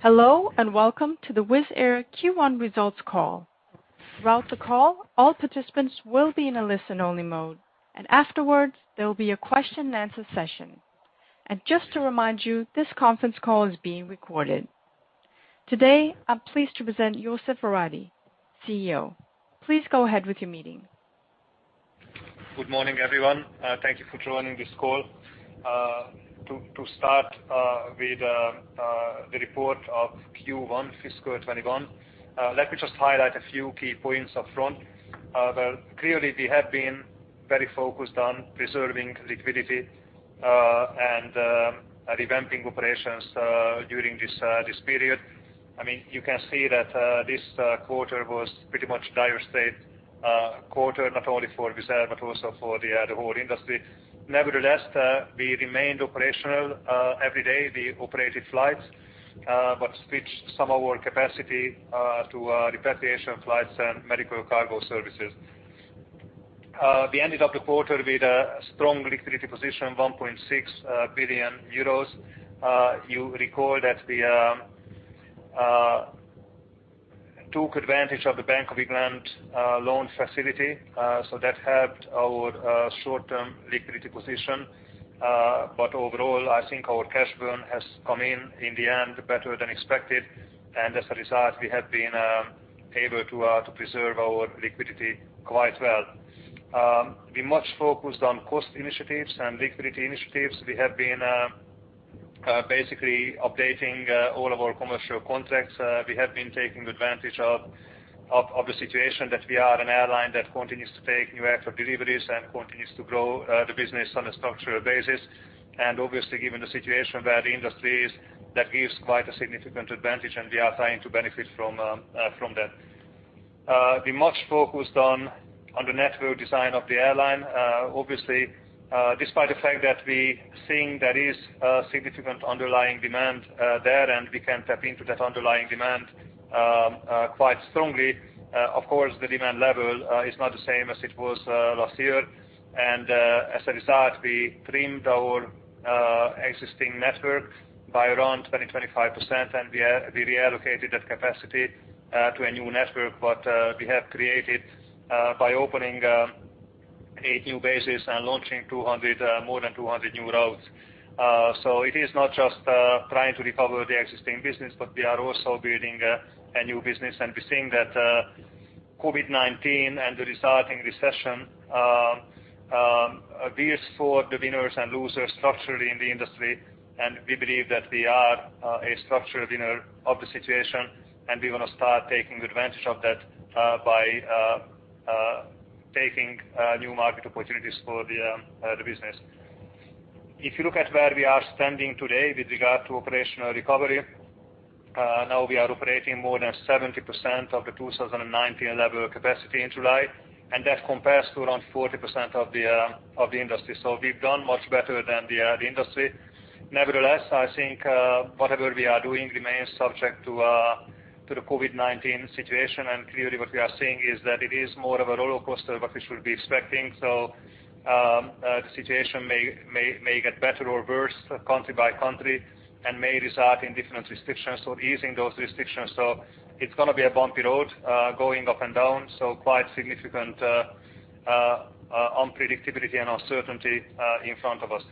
Hello, welcome to the Wizz Air Q1 results call. Throughout the call, all participants will be in a listen-only mode. Afterwards, there will be a question and answer session. Just to remind you, this conference call is being recorded. Today, I'm pleased to present József Váradi, CEO. Please go ahead with your meeting. Good morning, everyone. Thank you for joining this call. To start with the report of Q1 fiscal 2021, let me just highlight a few key points up front. Well, clearly we have been very focused on preserving liquidity and revamping operations during this period. You can see that this quarter was pretty much a dire strait quarter, not only for Wizz Air, but also for the whole industry. Nevertheless, we remained operational. Every day we operated flights, but switched some of our capacity to repatriation flights and medical cargo services. We ended up the quarter with a strong liquidity position, 1.6 billion euros. You recall that we took advantage of the Bank of England loan facility, so that helped our short-term liquidity position. Overall, I think our cash burn has come in the end better than expected, and as a result, we have been able to preserve our liquidity quite well. We much focused on cost initiatives and liquidity initiatives. We have been basically updating all of our commercial contracts. We have been taking advantage of the situation that we are an airline that continues to take new Airbus deliveries and continues to grow the business on a structural basis. Obviously given the situation where the industry is, that gives quite a significant advantage, and we are trying to benefit from that. We much focused on the network design of the airline. Obviously, despite the fact that we're seeing there is a significant underlying demand there, and we can tap into that underlying demand quite strongly. Of course, the demand level is not the same as it was last year. As a result, we trimmed our existing network by around 20%-25%, and we reallocated that capacity to a new network that we have created by opening eight new bases and launching more than 200 new routes. It is not just trying to recover the existing business, but we are also building a new business, and we're seeing that COVID-19 and the resulting recession veers for the winners and losers structurally in the industry, and we believe that we are a structural winner of the situation, and we want to start taking advantage of that by taking new market opportunities for the business. If you look at where we are standing today with regard to operational recovery, now we are operating more than 70% of the 2019 level capacity in July, and that compares to around 40% of the industry. We've done much better than the industry. Nevertheless, I think whatever we are doing remains subject to the COVID-19 situation, and clearly what we are seeing is that it is more of a rollercoaster what we should be expecting. The situation may get better or worse country by country and may result in different restrictions or easing those restrictions. It's going to be a bumpy road going up and down, so quite significant unpredictability and uncertainty in front of us.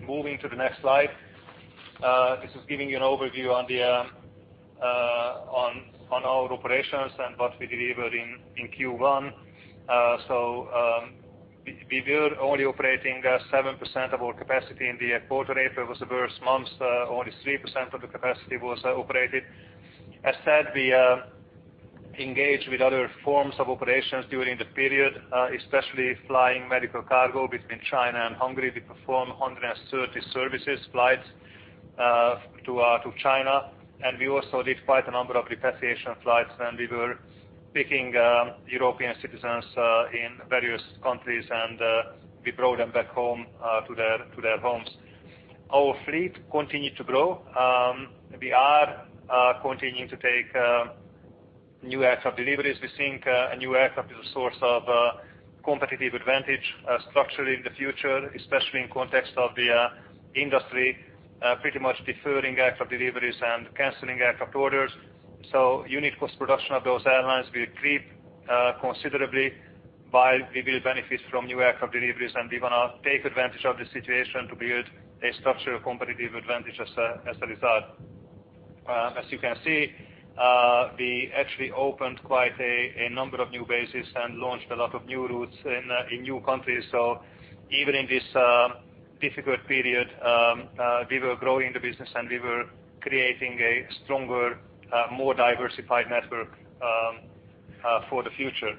Moving to the next slide. This is giving you an overview on our operations and what we delivered in Q1. We were only operating 7% of our capacity in the quarter. April was the worst month, only 3% of the capacity was operated. As said, we engaged with other forms of operations during the period, especially flying medical cargo between China and Hungary. We performed 130 services flights to China, and we also did quite a number of repatriation flights when we were picking European citizens in various countries, and we brought them back home to their homes. Our fleet continued to grow. We are continuing to take new aircraft deliveries. We think a new aircraft is a source of competitive advantage structurally in the future, especially in context of the industry pretty much deferring aircraft deliveries and canceling aircraft orders. Unit cost production of those airlines will creep considerably while we will benefit from new aircraft deliveries, and we want to take advantage of the situation to build a structural competitive advantage as a result. As you can see, we actually opened quite a number of new bases and launched a lot of new routes in new countries. Even in this difficult period, we were growing the business, and we were creating a stronger, more diversified network for the future.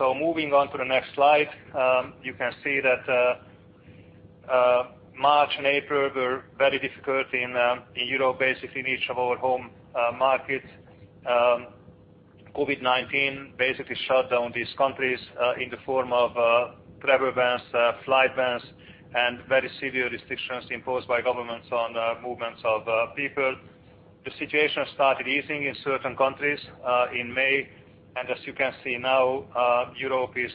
Moving on to the next slide. You can see that March and April were very difficult in Europe, basically in each of our home markets. COVID-19 basically shut down these countries in the form of travel bans, flight bans, and very severe restrictions imposed by governments on movements of people. The situation started easing in certain countries in May. As you can see now, Europe is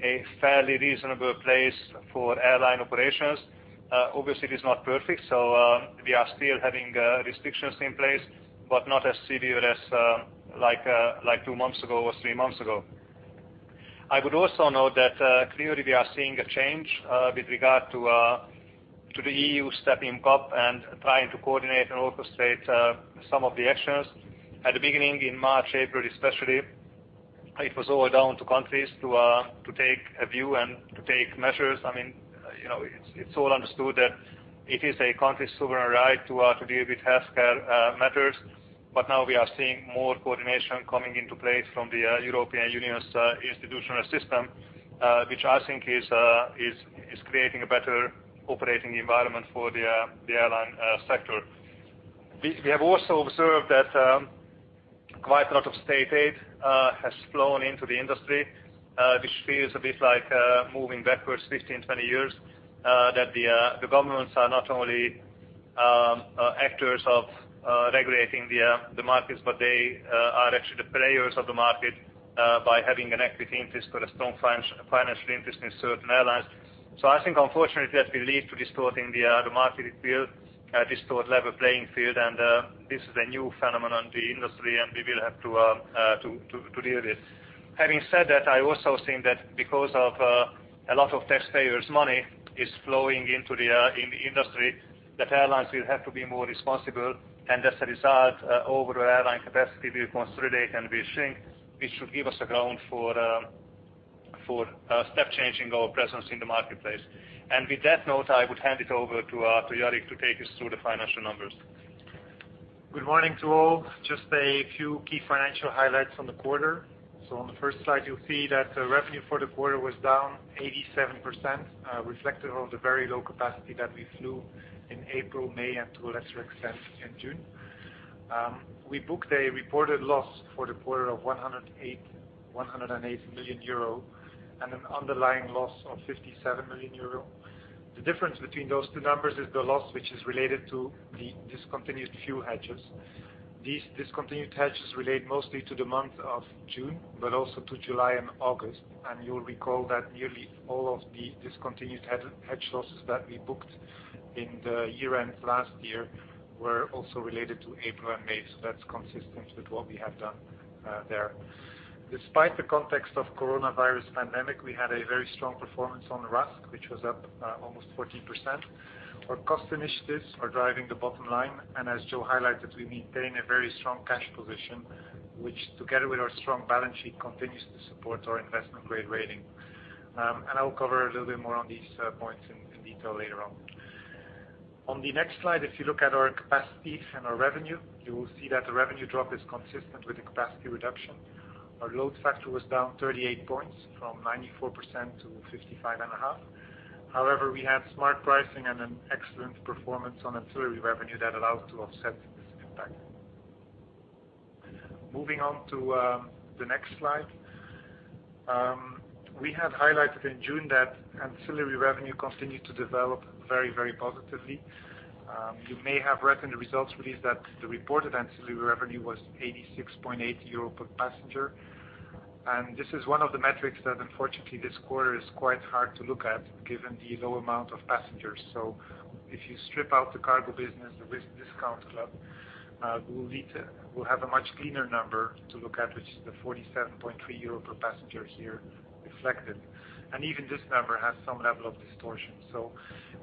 a fairly reasonable place for airline operations. Obviously, it is not perfect. We are still having restrictions in place, not as severe as two months ago or three months ago. I would also note that clearly we are seeing a change with regard to the EU stepping up and trying to coordinate and orchestrate some of the actions. At the beginning, in March, April especially, it was all down to countries to take a view and to take measures. It's all understood that it is a country's sovereign right to deal with healthcare matters. Now we are seeing more coordination coming into place from the European Union's institutional system, which I think is creating a better operating environment for the airline sector. We have also observed that quite a lot of state aid has flown into the industry, which feels a bit like moving backwards 15, 20 years. The governments are not only actors of regulating the markets, but they are actually the players of the market by having an equity interest or a strong financial interest in certain airlines. I think unfortunately, that will lead to distorting the market field, a distorted level playing field. This is a new phenomenon in the industry, and we will have to deal with. Having said that, I also think that because of a lot of taxpayers' money is flowing into the industry, that airlines will have to be more responsible. As a result, overall airline capacity will consolidate and will shrink. This should give us a ground for step changing our presence in the marketplace. With that note, I would hand it over to Jourik to take us through the financial numbers. Good morning to all. Just a few key financial highlights on the quarter. On the first slide, you'll see that the revenue for the quarter was down 87%, reflective of the very low capacity that we flew in April, May, and to a lesser extent, in June. We booked a reported loss for the quarter of 108 million euro and an underlying loss of 57 million euro. The difference between those two numbers is the loss, which is related to the discontinued fuel hedges. These discontinued hedges relate mostly to the month of June, also to July and August. You'll recall that nearly all of the discontinued hedge losses that we booked in the year-end last year were also related to April and May. That's consistent with what we have done there. Despite the context of coronavirus pandemic, we had a very strong performance on RASK, which was up almost 14%. As Joe highlighted, we maintain a very strong cash position, which together with our strong balance sheet, continues to support our investment-grade rating. I will cover a little bit more on these points in detail later on. On the next slide, if you look at our capacity and our revenue, you will see that the revenue drop is consistent with the capacity reduction. Our load factor was down 38 points from 94%-55.5%. However, we had smart pricing and an excellent performance on ancillary revenue that allowed to offset this impact. Moving on to the next slide. We had highlighted in June that ancillary revenue continued to develop very positively. You may have read in the results release that the reported ancillary revenue was 86.8 euro per passenger. This is one of the metrics that unfortunately this quarter is quite hard to look at given the low amount of passengers. If you strip out the cargo business, the WIZZ Discount Club, we'll have a much cleaner number to look at, which is the 47.3 euro per passenger here reflected. Even this number has some level of distortion.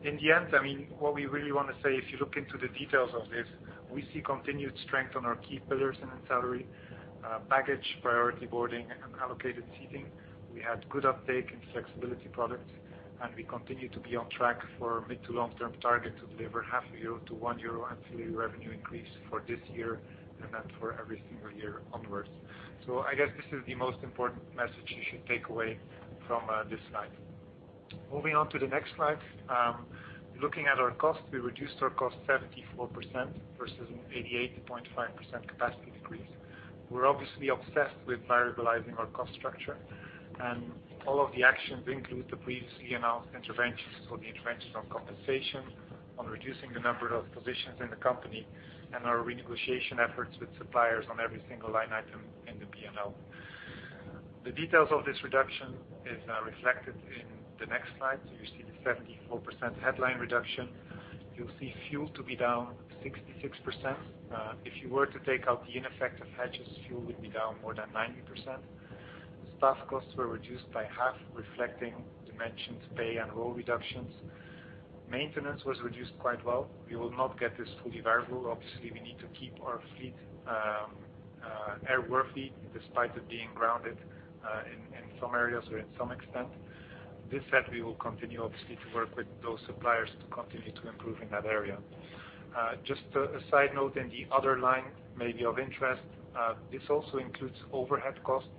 In the end, what we really want to say, if you look into the details of this, we see continued strength on our key pillars in ancillary: baggage priority boarding, and allocated seating. We had good uptake in flexibility products. We continue to be on track for mid- to long-term target to deliver half euro to 1 euro ancillary revenue increase for this year and then for every single year onwards. I guess this is the most important message you should take away from this slide. Moving on to the next slide. Looking at our costs, we reduced our cost 74% versus an 88.5% capacity decrease. We're obviously obsessed with variabilizing our cost structure. All of the actions include the previously announced interventions. The interventions on compensation, on reducing the number of positions in the company, and our renegotiation efforts with suppliers on every single line item in the P&L. The details of this reduction is reflected in the next slide. You see the 74% headline reduction. You'll see fuel to be down 66%. If you were to take out the ineffective hedges, fuel would be down more than 90%. Staff costs were reduced by half, reflecting dimensions, pay, and roll reductions. Maintenance was reduced quite well. We will not get this fully variable. Obviously, we need to keep our fleet airworthy despite it being grounded in some areas or in some extent. This said, we will continue obviously to work with those suppliers to continue to improve in that area. Just a side note in the other line may be of interest. This also includes overhead costs.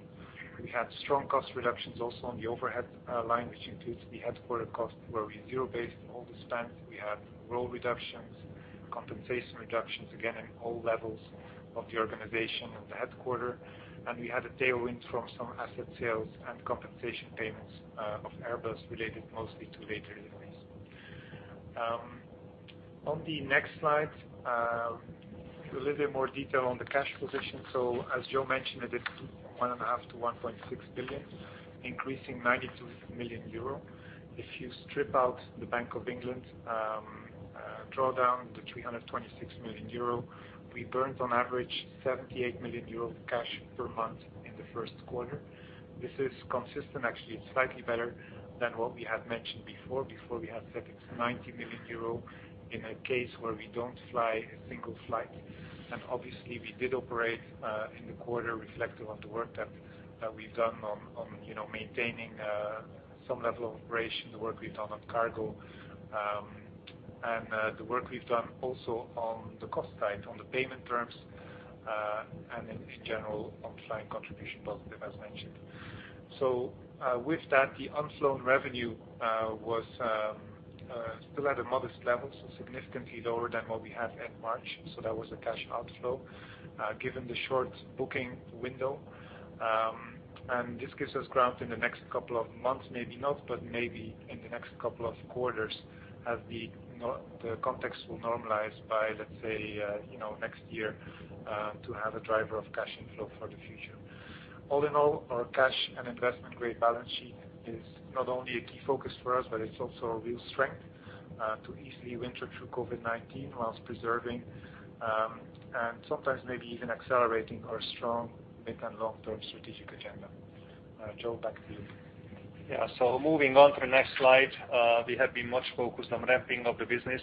We had strong cost reductions also on the overhead line, which includes the headquarter cost, where we zero based all the spend. We had roll reductions, compensation reductions, again in all levels of the organization and the headquarter. We had a tailwind from some asset sales and compensation payments of Airbus related mostly to later deliveries. On the next slide, a little bit more detail on the cash position. As Joe mentioned, it is from 1.5 billion to 1.6 billion, increasing 92 million euro. If you strip out the Bank of England drawdown, the 326 million euro, we burnt on average 78 million euro cash per month in the Q1. This is consistent. Actually, it's slightly better than what we had mentioned before. Before we had said it's 90 million euro in a case where we don't fly a single flight. Obviously, we did operate in the quarter reflective of the work that we've done on maintaining some level of operation, the work we've done on cargo, and the work we've done also on the cost side, on the payment terms, and in general, on-flying contribution positive as mentioned. With that, the unflown revenue was still at a modest level, so significantly lower than what we had in March. That was a cash outflow. Given the short booking window, and this gives us ground in the next couple of months, maybe not, but maybe in the next couple of quarters as the context will normalize by, let's say, next year to have a driver of cash inflow for the future. All in all, our cash and investment-grade balance sheet is not only a key focus for us, but it's also a real strength to easily winter through COVID-19 while preserving and sometimes maybe even accelerating our strong mid- and long-term strategic agenda. Joe, back to you. Yeah. Moving on to the next slide. We have been much focused on ramping up the business.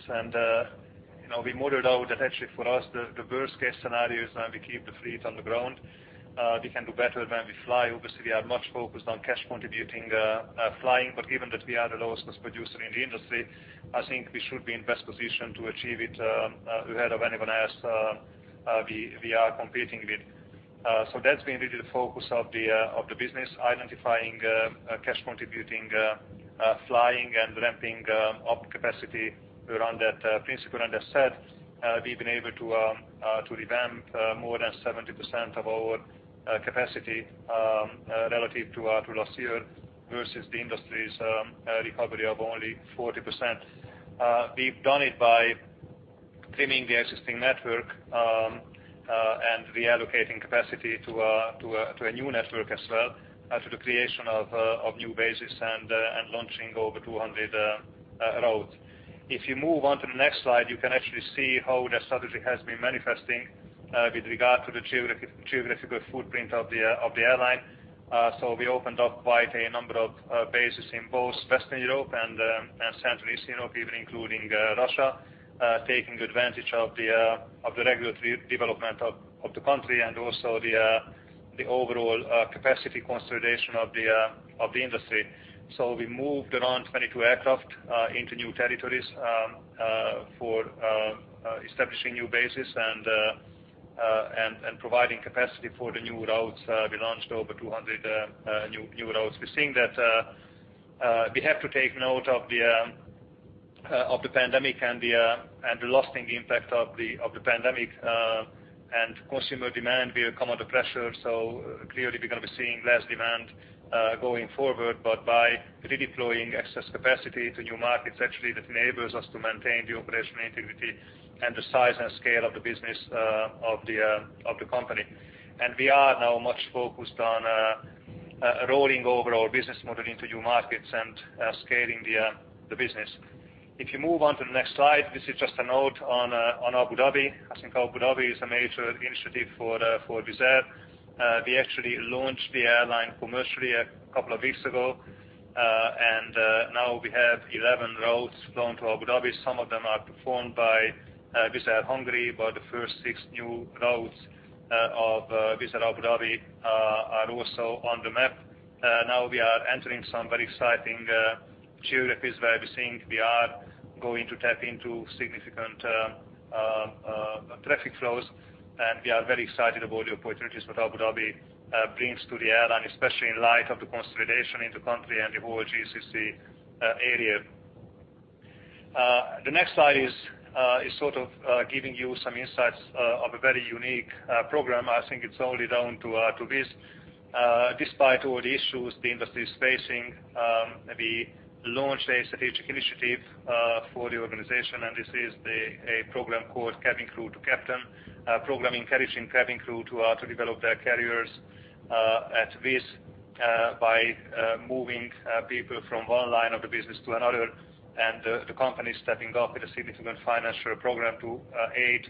We modeled out that actually for us, the worst-case scenario is now we keep the fleet on the ground. We can do better when we fly. Obviously, we are much focused on cash contributing flying. Given that we are the lowest cost producer in the industry, I think we should be in best position to achieve it ahead of anyone else we are competing with. That's been really the focus of the business, identifying cash contributing flying and ramping up capacity around that principle. As said, we've been able to revamp more than 70% of our capacity relative to last year versus the industry's recovery of only 40%. We've done it by trimming the existing network and reallocating capacity to a new network as well through the creation of new bases and launching over 200 routes. If you move on to the next slide, you can actually see how the strategy has been manifesting with regard to the geographical footprint of the airline. We opened up quite a number of bases in both Western Europe and Central Eastern Europe, even including Russia, taking advantage of the regulatory development of the country and also the overall capacity consolidation of the industry. We moved around 22 aircraft into new territories for establishing new bases and providing capacity for the new routes. We launched over 200 new routes. We're seeing that we have to take note of the pandemic and the lasting impact of the pandemic and consumer demand will come under pressure. Clearly we're going to be seeing less demand going forward. By redeploying excess capacity to new markets, actually that enables us to maintain the operational integrity and the size and scale of the business of the company. We are now much focused on rolling over our business model into new markets and scaling the business. If you move on to the next slide, this is just a note on Abu Dhabi. I think Abu Dhabi is a major initiative for Wizz Air. We actually launched the airline commercially a couple of weeks ago, and now we have 11 routes flown to Abu Dhabi. Some of them are performed by Wizz Air Hungary, but the first six new routes of Wizz Air Abu Dhabi are also on the map. We are entering some very exciting geographies where we think we are going to tap into significant traffic flows, and we are very excited about the opportunities that Abu Dhabi brings to the airline, especially in light of the consolidation in the country and the whole GCC area. The next slide is sort of giving you some insights of a very unique program. I think it's only down to Wizz. Despite all the issues the industry is facing, we launched a strategic initiative for the organization, and this is a program called Cabin Crew to Captain. A program encouraging cabin crew to develop their careers at Wizz by moving people from one line of the business to another. The company is stepping up with a significant financial program to aid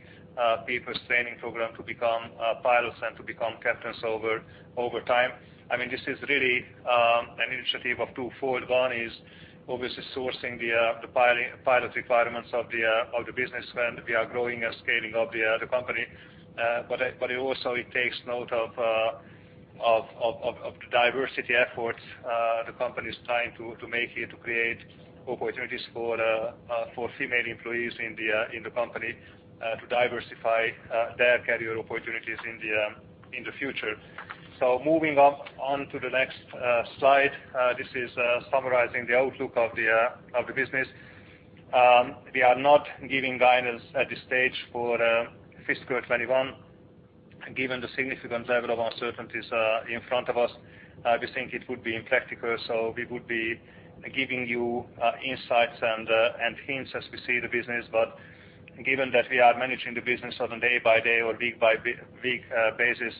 people's training program to become pilots and to become captains over time. This is really an initiative of two-fold. One is obviously sourcing the pilot requirements of the business when we are growing and scaling up the company. It also takes note of the diversity efforts the company is trying to make here to create opportunities for female employees in the company to diversify their career opportunities in the future. Moving on to the next slide. This is summarizing the outlook of the business. We are not giving guidance at this stage for fiscal 2021. Given the significant level of uncertainties in front of us, we think it would be impractical, so we would be giving you insights and hints as we see the business, but given that we are managing the business on a day-by-day or week-by-week basis,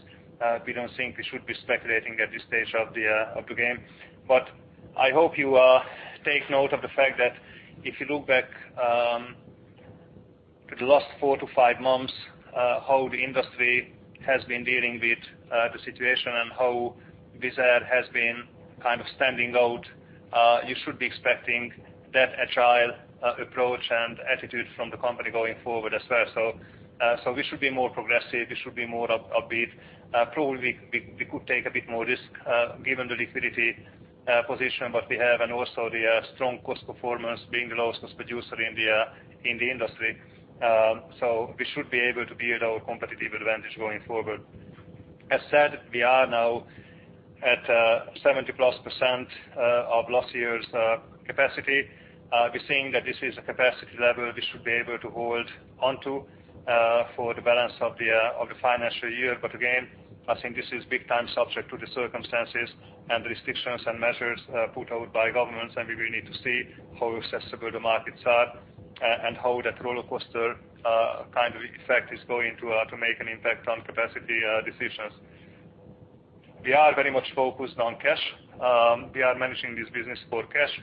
we don't think we should be speculating at this stage of the game. I hope you take note of the fact that if you look back to the last four to five months, how the industry has been dealing with the situation and how Wizz Air has been kind of standing out, you should be expecting that agile approach and attitude from the company going forward as well. We should be more progressive, we should be more upbeat. Probably we could take a bit more risk given the liquidity position that we have and also the strong cost performance, being the lowest cost producer in the industry. We should be able to build our competitive advantage going forward. As said, we are now at 70%+ of last year's capacity. We're seeing that this is a capacity level we should be able to hold onto for the balance of the financial year. Again, I think this is big-time subject to the circumstances and the restrictions and measures put out by governments, and we will need to see how accessible the markets are and how that rollercoaster kind of effect is going to make an impact on capacity decisions. We are very much focused on cash. We are managing this business for cash.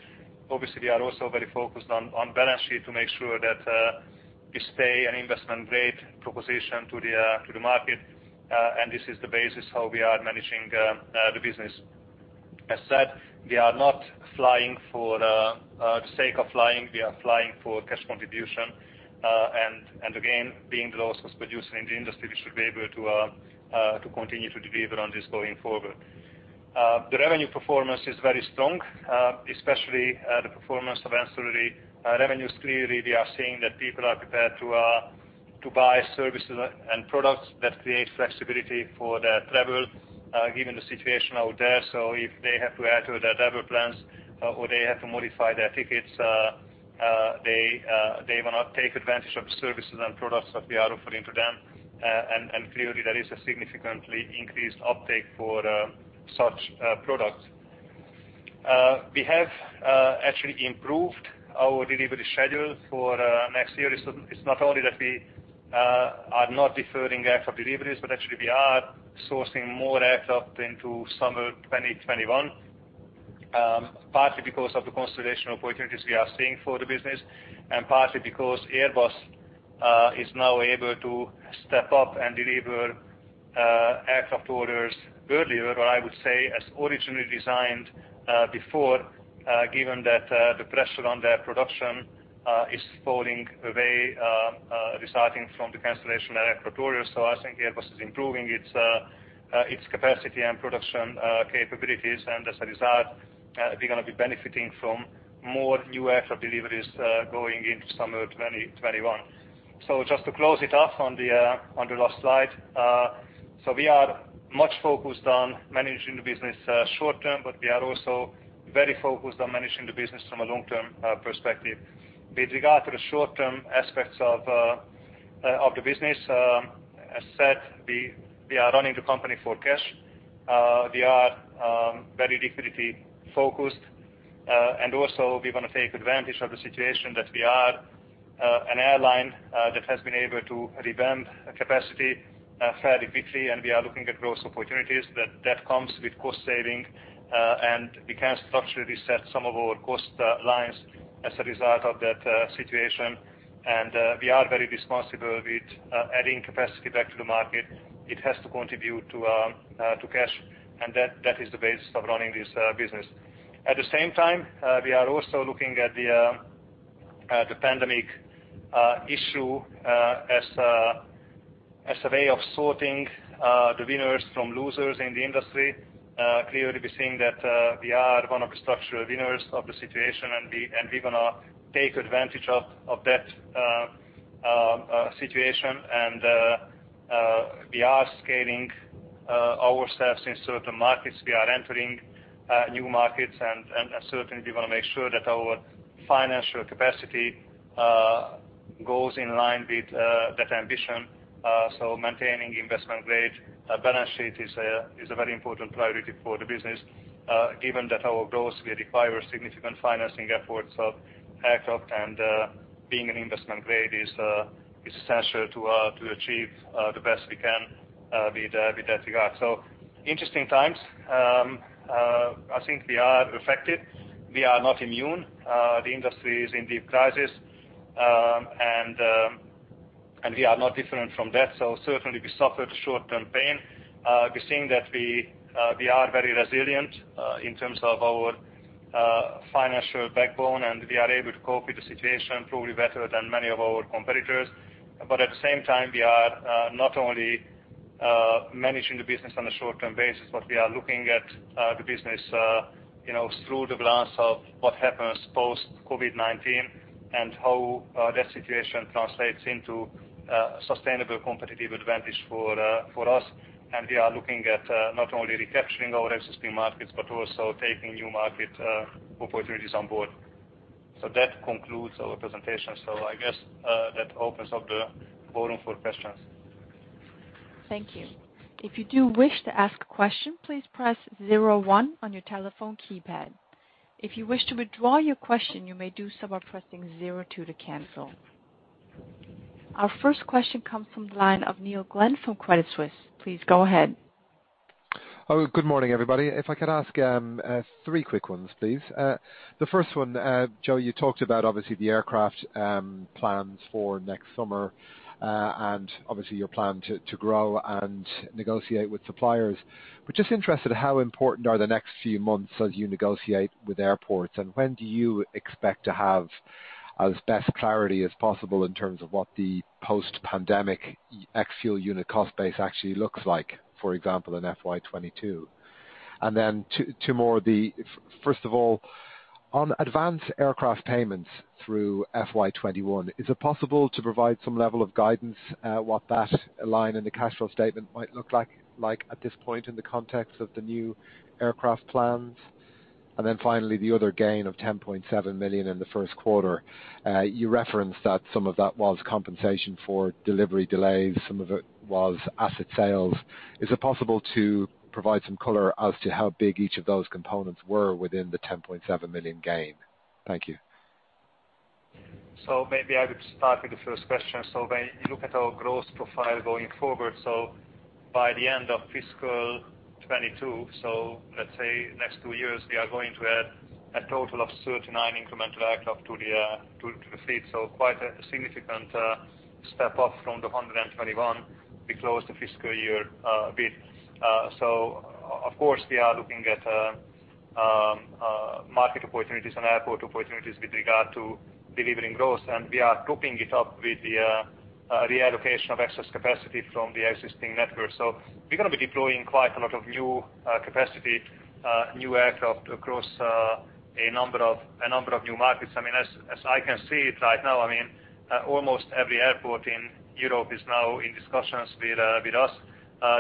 Obviously, we are also very focused on balance sheet to make sure that we stay an investment-grade proposition to the market, and this is the basis how we are managing the business. As said, we are not flying for the sake of flying. We are flying for cash contribution. Again, being the lowest cost producer in the industry, we should be able to continue to deliver on this going forward. The revenue performance is very strong, especially the performance of ancillary revenues. Clearly, we are seeing that people are prepared to buy services and products that create flexibility for their travel given the situation out there. If they have to alter their travel plans, or they have to modify their tickets, they want to take advantage of services and products that we are offering to them, and clearly there is a significantly increased uptake for such products. We have actually improved our delivery schedule for next year. It's not only that we are not deferring aircraft deliveries, but actually we are sourcing more aircraft into summer 2021. Partly because of the consolidation opportunities we are seeing for the business, and partly because Airbus is now able to step up and deliver aircraft orders earlier, or I would say as originally designed before, given that the pressure on their production is falling away, resulting from the cancellation of aircraft orders. I think Airbus is improving its capacity and production capabilities, and as a result, we're going to be benefiting from more new aircraft deliveries going into summer 2021. Just to close it off on the last slide. We are much focused on managing the business short-term, but we are also very focused on managing the business from a long-term perspective. With regard to the short-term aspects of the business, as said, we are running the company for cash. We are very liquidity-focused. Also we want to take advantage of the situation that we are an airline that has been able to revamp capacity fairly quickly, and we are looking at growth opportunities that comes with cost saving, and we can structurally set some of our cost lines as a result of that situation. We are very responsible with adding capacity back to the market. It has to contribute to cash, and that is the basis of running this business. At the same time, we are also looking at the pandemic issue as a way of sorting the winners from losers in the industry. Clearly, we're seeing that we are one of the structural winners of the situation, and we're going to take advantage of that situation, and we are scaling ourselves in certain markets. We are entering new markets, and certainly we want to make sure that our financial capacity goes in line with that ambition. Maintaining investment-grade balance sheet is a very important priority for the business, given that our growth will require significant financing efforts of aircraft, and being an investment grade is essential to achieve the best we can with that regard. Interesting times. I think we are affected. We are not immune. The industry is in deep crisis. We are not different from that. Certainly we suffered short-term pain. We're seeing that we are very resilient in terms of our financial backbone, and we are able to cope with the situation probably better than many of our competitors. At the same time, we are not only managing the business on a short-term basis, but we are looking at the business through the glass of what happens post-COVID-19 and how that situation translates into sustainable competitive advantage for us. We are looking at not only recapturing our existing markets, but also taking new market opportunities on board. That concludes our presentation. I guess that opens up the forum for questions. Thank you. If you do wish to ask a question, please press zero one on your telephone keypad. If you wish to withdraw your question, you may do so by pressing zero two to cancel. Our first question comes from the line of Neil Glynn from Credit Suisse. Please go ahead. Oh, good morning, everybody. If I could ask three quick ones, please. The first one, Joe, you talked about, obviously, the aircraft plans for next summer, obviously your plan to grow and negotiate with suppliers. We're just interested, how important are the next few months as you negotiate with airports, and when do you expect to have as best clarity as possible in terms of what the post-pandemic ex-fuel unit cost base actually looks like, for example, in FY 2022? Two more. First of all, on advanced aircraft payments through FY 2021, is it possible to provide some level of guidance what that line in the cash flow statement might look like at this point in the context of the new aircraft plans? Finally, the other gain of 10.7 million in the Q1. You referenced that some of that was compensation for delivery delays, some of it was asset sales. Is it possible to provide some color as to how big each of those components were within the 10.7 million gain? Thank you. Maybe I would start with the first question. When you look at our growth profile going forward, by the end of fiscal 2022, let's say next two years, we are going to add a total of 39 incremental aircraft to the fleet. Quite a significant step up from the 121 we closed the fiscal year with. Of course, we are looking at market opportunities and airport opportunities with regard to delivering growth, and we are topping it up with the reallocation of excess capacity from the existing network. We're going to be deploying quite a lot of new capacity, new aircraft across a number of new markets. As I can see it right now, almost every airport in Europe is now in discussions with us.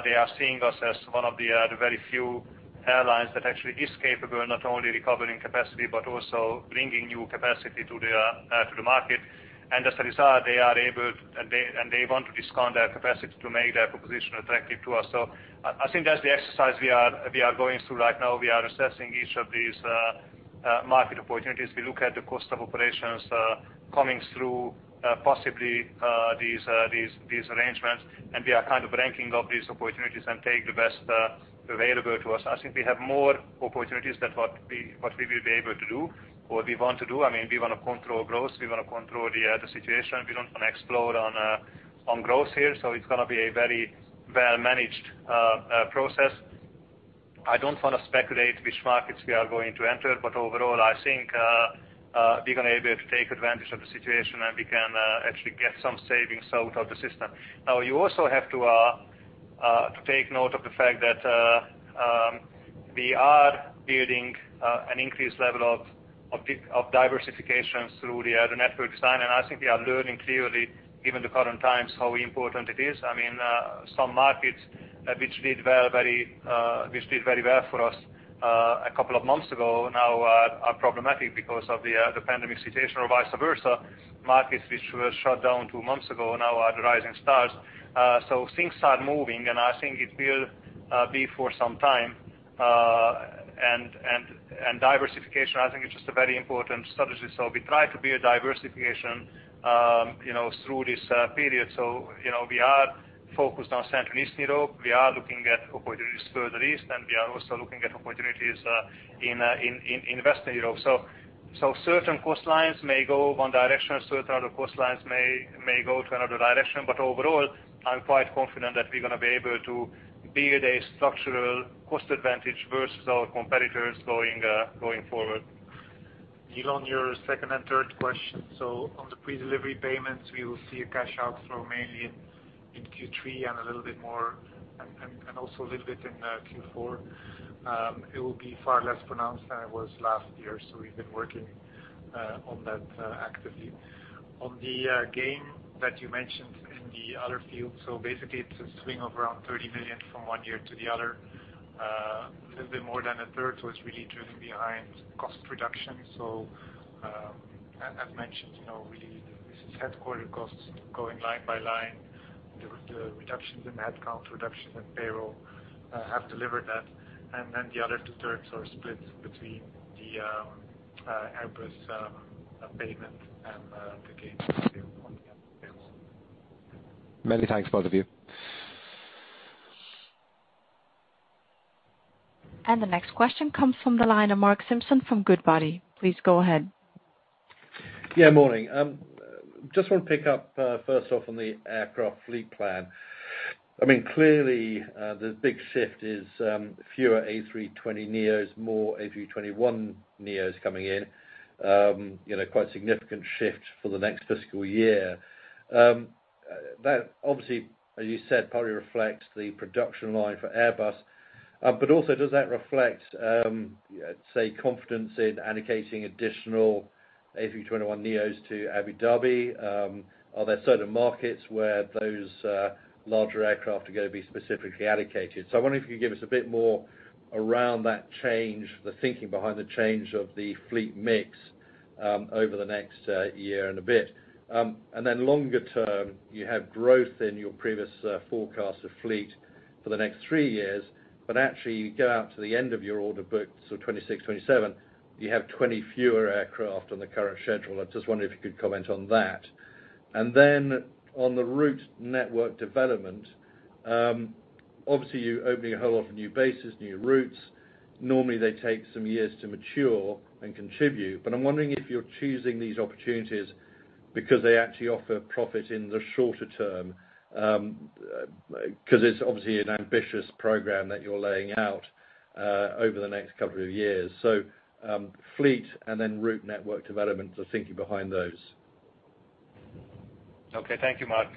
They are seeing us as one of the very few airlines that actually is capable of not only recovering capacity, but also bringing new capacity to the market. As a result, they want to discount their capacity to make their proposition attractive to us. I think that's the exercise we are going through right now. We are assessing each of these market opportunities. We look at the cost of operations coming through, possibly these arrangements, and we are kind of ranking up these opportunities and take the best available to us. I think we have more opportunities than what we will be able to do or we want to do. We want to control growth. We want to control the situation. We don't want to explode on growth here. It's going to be a very well-managed process. I don't want to speculate which markets we are going to enter. Overall, I think we're going to be able to take advantage of the situation, and we can actually get some savings out of the system. Now, you also have to take note of the fact that we are building an increased level of diversification through the network design. I think we are learning clearly, given the current times, how important it is. Some markets which did very well for us a couple of months ago now are problematic because of the pandemic situation, or vice versa. Markets which were shut down two months ago now are the rising stars. Things are moving, and I think it will be for some time. Diversification, I think, is just a very important strategy. We try to build diversification through this period. We are focused on Central and Eastern Europe. We are looking at opportunities further east, and we are also looking at opportunities in Western Europe. Certain cost lines may go one direction, certain other cost lines may go to another direction. Overall, I'm quite confident that we're going to be able to build a structural cost advantage versus our competitors going forward. Neil, on your second and third question, on the predelivery payments, we will see a cash outflow mainly in Q3 and also a little bit in Q4. It will be far less pronounced than it was last year. We've been working on that actively. On the gain that you mentioned in the other field, basically it's a swing of around 30 million from one year to the other. A little bit more than 1/3 was really driven behind cost reduction. As mentioned, really this is headquarters costs going line by line. The reductions in headcount, reductions in payroll have delivered that. The other 2/3 are split between the Airbus payment and the gains on the other fields. Many thanks, both of you. The next question comes from the line of Mark Simpson from Goodbody. Please go ahead. Yeah, morning. Just want to pick up first off on the aircraft fleet plan. Clearly, the big shift is fewer A320neos, more A321neos coming in. Quite significant shift for the next fiscal year. That obviously, as you said, probably reflects the production line for Airbus. Does that reflect, say, confidence in allocating additional A321neos to Abu Dhabi? Are there certain markets where those larger aircraft are going to be specifically allocated? I wonder if you could give us a bit more around that change, the thinking behind the change of the fleet mix over the next year and a bit. Longer term, you have growth in your previous forecast of fleet for the next three years, but actually you go out to the end of your order book, so 2026, 2027, you have 20 fewer aircraft on the current schedule. I just wonder if you could comment on that. On the route network development, obviously you're opening a whole lot of new bases, new routes. Normally, they take some years to mature and contribute, but I'm wondering if you're choosing these opportunities because they actually offer profit in the shorter term. It's obviously an ambitious program that you're laying out over the next couple of years. Fleet and then route network development, the thinking behind those. Okay. Thank you, Mark.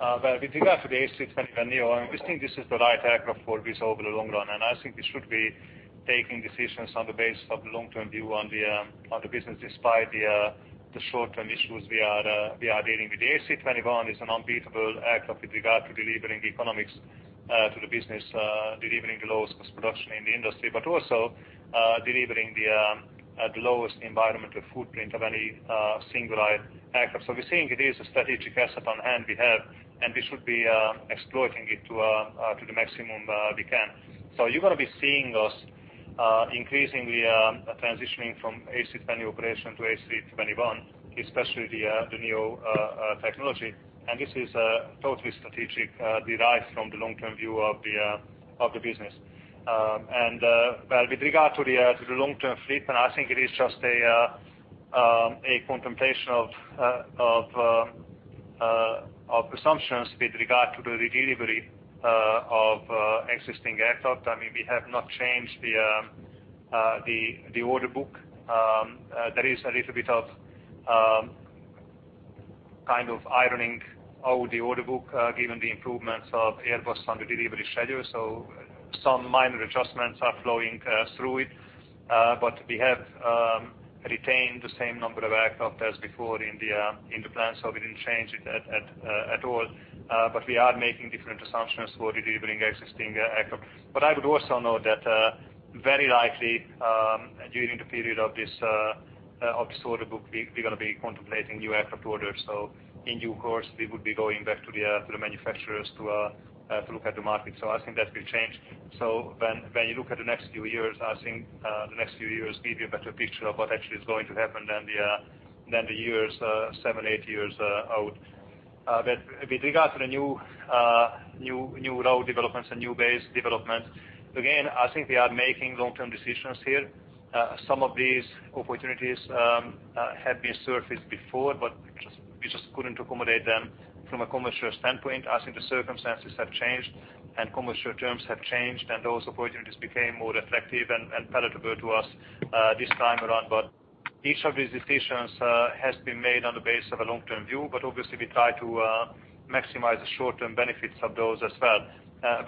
Well, with regard to the A321neo, we think this is the right aircraft for Wizz over the long run, and I think we should be taking decisions on the base of long-term view on the business, despite the short-term issues we are dealing with. The A321 is an unbeatable aircraft with regard to delivering the economics to the business, delivering the lowest cost production in the industry, but also delivering the lowest environmental footprint of any single-aisle aircraft. We're seeing it is a strategic asset on hand we have, and we should be exploiting it to the maximum we can. You're going to be seeing us increasingly transitioning from A320 operation to A321, especially the neo technology. This is a totally strategic derive from the long-term view of the business. Well, with regard to the long-term fleet, I think it is just a contemplation of assumptions with regard to the redelivery of existing aircraft. I mean, we have not changed the order book. There is a little bit of kind of ironing out the order book, given the improvements of Airbus on the delivery schedule, some minor adjustments are flowing through it. We have retained the same number of aircraft as before in the plan, we didn't change it at all. We are making different assumptions for redelivering existing aircraft. I would also note that very likely, during the period of this order book, we're going to be contemplating new aircraft orders. In due course, we would be going back to the manufacturers to look at the market. I think that will change. When you look at the next few years, I think the next few years give you a better picture of what actually is going to happen than the years, seven, eight years out. With regard to the new route developments and new base developments, again, I think we are making long-term decisions here. Some of these opportunities have been surfaced before, but we just couldn't accommodate them from a commercial standpoint. I think the circumstances have changed and commercial terms have changed, and those opportunities became more effective and palatable to us this time around. Each of these decisions has been made on the base of a long-term view, but obviously, we try to maximize the short-term benefits of those as well.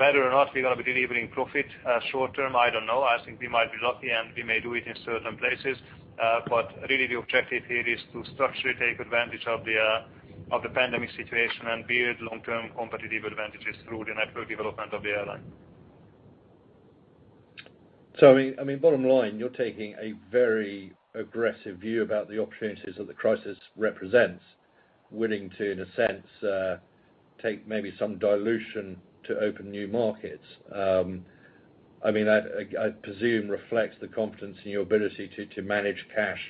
Whether or not we're going to be delivering profit short-term, I don't know. I think we might be lucky, and we may do it in certain places. Really the objective here is to structurally take advantage of the pandemic situation and build long-term competitive advantages through the network development of the airline. I mean, bottom line, you're taking a very aggressive view about the opportunities that the crisis represents, willing to, in a sense, take maybe some dilution to open new markets. I presume reflects the confidence in your ability to manage cash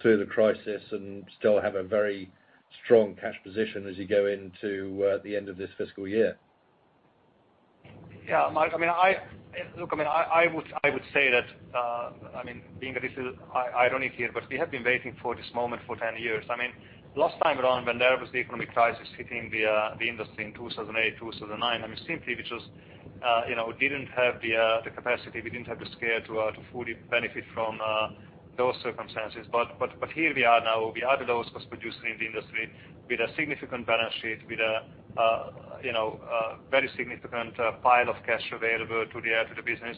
through the crisis and still have a very strong cash position as you go into the end of this fiscal year. Yeah. Mark, look, I would say that, being a little ironic here, we have been waiting for this moment for 10 years. Last time around, when there was the economic crisis hitting the industry in 2008, 2009, simply, we didn't have the capacity, we didn't have the scale to fully benefit from those circumstances. Here we are now. We are the lowest cost producer in the industry with a significant balance sheet, with a very significant pile of cash available to the business.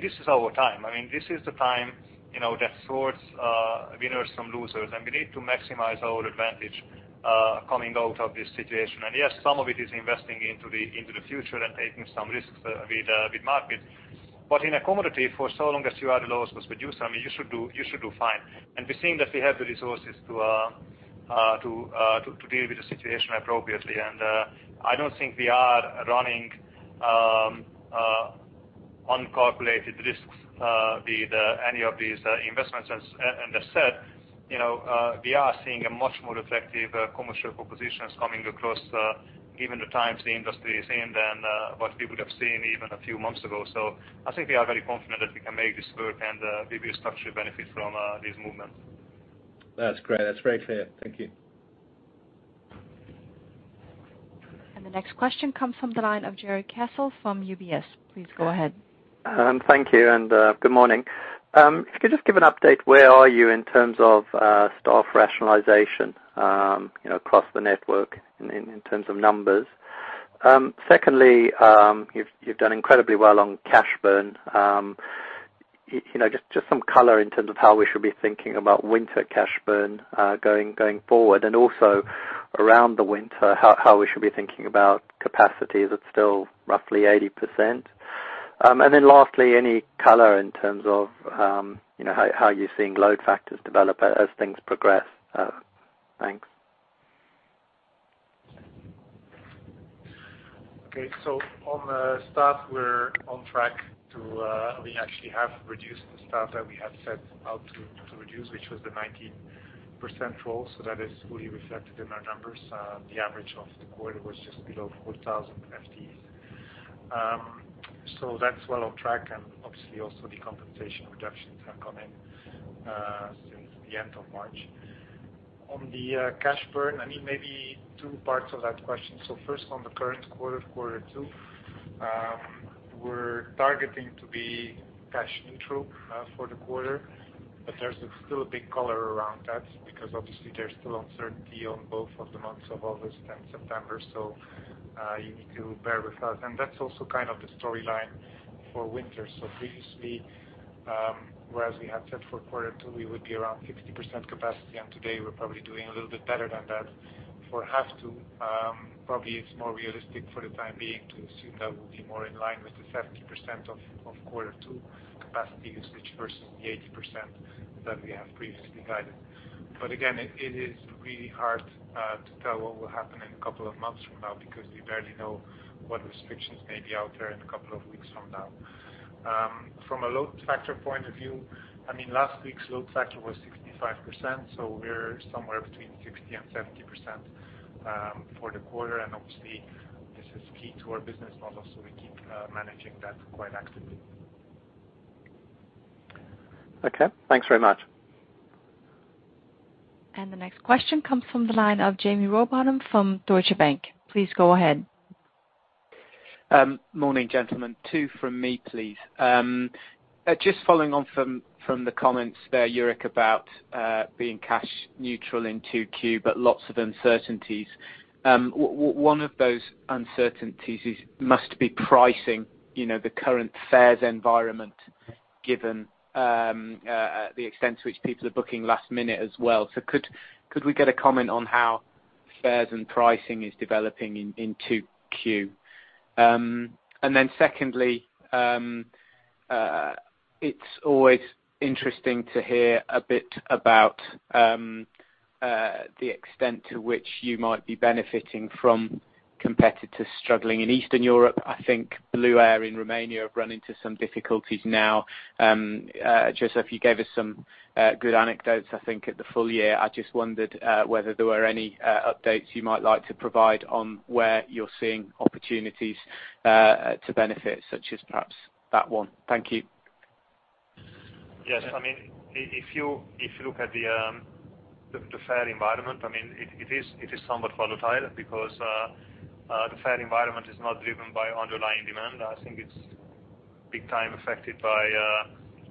This is our time. This is the time that sorts winners from losers, we need to maximize our advantage coming out of this situation. Yes, some of it is investing into the future and taking some risks with markets. In a commodity, for so long as you are the lowest producer, you should do fine. We're seeing that we have the resources to deal with the situation appropriately, and I don't think we are running uncalculated risks with any of these investments. As said, we are seeing a much more effective commercial propositions coming across given the times the industry is in than what we would have seen even a few months ago. I think we are very confident that we can make this work and give you a structural benefit from these movements. That's great. That's very clear. Thank you. The next question comes from the line of Jarrod Castle from UBS. Please go ahead. Thank you, and good morning. If you could just give an update, where are you in terms of staff rationalization across the network in terms of numbers? Secondly, you've done incredibly well on cash burn. Just some color in terms of how we should be thinking about winter cash burn going forward and also around the winter, how we should be thinking about capacity. Is it still roughly 80%? Lastly, any color in terms of how you're seeing load factors develop as things progress? Thanks. Okay. On the staff, we actually have reduced the staff that we had set out to reduce, which was the 19% role. That is fully reflected in our numbers. The average of the quarter was just below 4,000 FTEs. That's well on track, and obviously also the compensation reductions have come in since the end of March. On the cash burn, maybe two parts of that question. First, on the current quarter two, we're targeting to be cash neutral for the quarter, but there's still a big color around that because obviously there's still uncertainty on both of the months of August and September, so you need to bear with us. That's also kind of the storyline for winter. Previously, whereas we had said for quarter two we would be around 60% capacity, today we're probably doing a little bit better than that for half two. Probably it's more realistic for the time being to assume that we'll be more in line with the 70% of quarter two capacity usage versus the 80% that we have previously guided. Again, it is really hard to tell what will happen in a couple of months from now because we barely know what restrictions may be out there in a couple of weeks from now. From a load factor point of view, last week's load factor was 65%, so we're somewhere between 60% and 70% for the quarter, and obviously this is key to our business model, so we keep managing that quite actively. Okay. Thanks very much. The next question comes from the line of Jamie Rowbotham from Deutsche Bank. Please go ahead. Morning, gentlemen. Two from me, please. Following on from the comments there, Jourik, about being cash neutral in 2Q, lots of uncertainties. One of those uncertainties must be pricing the current fares environment given the extent to which people are booking last minute as well. Could we get a comment on how fares and pricing is developing in 2Q? Secondly, it's always interesting to hear a bit about the extent to which you might be benefiting from competitors struggling in Eastern Europe. I think Blue Air in Romania have run into some difficulties now. József, you gave us some good anecdotes, I think, at the full year. I just wondered whether there were any updates you might like to provide on where you're seeing opportunities to benefit, such as perhaps that one. Thank you. Yes. If you look at the fare environment, it is somewhat volatile because the fare environment is not driven by underlying demand. I think it's big time affected by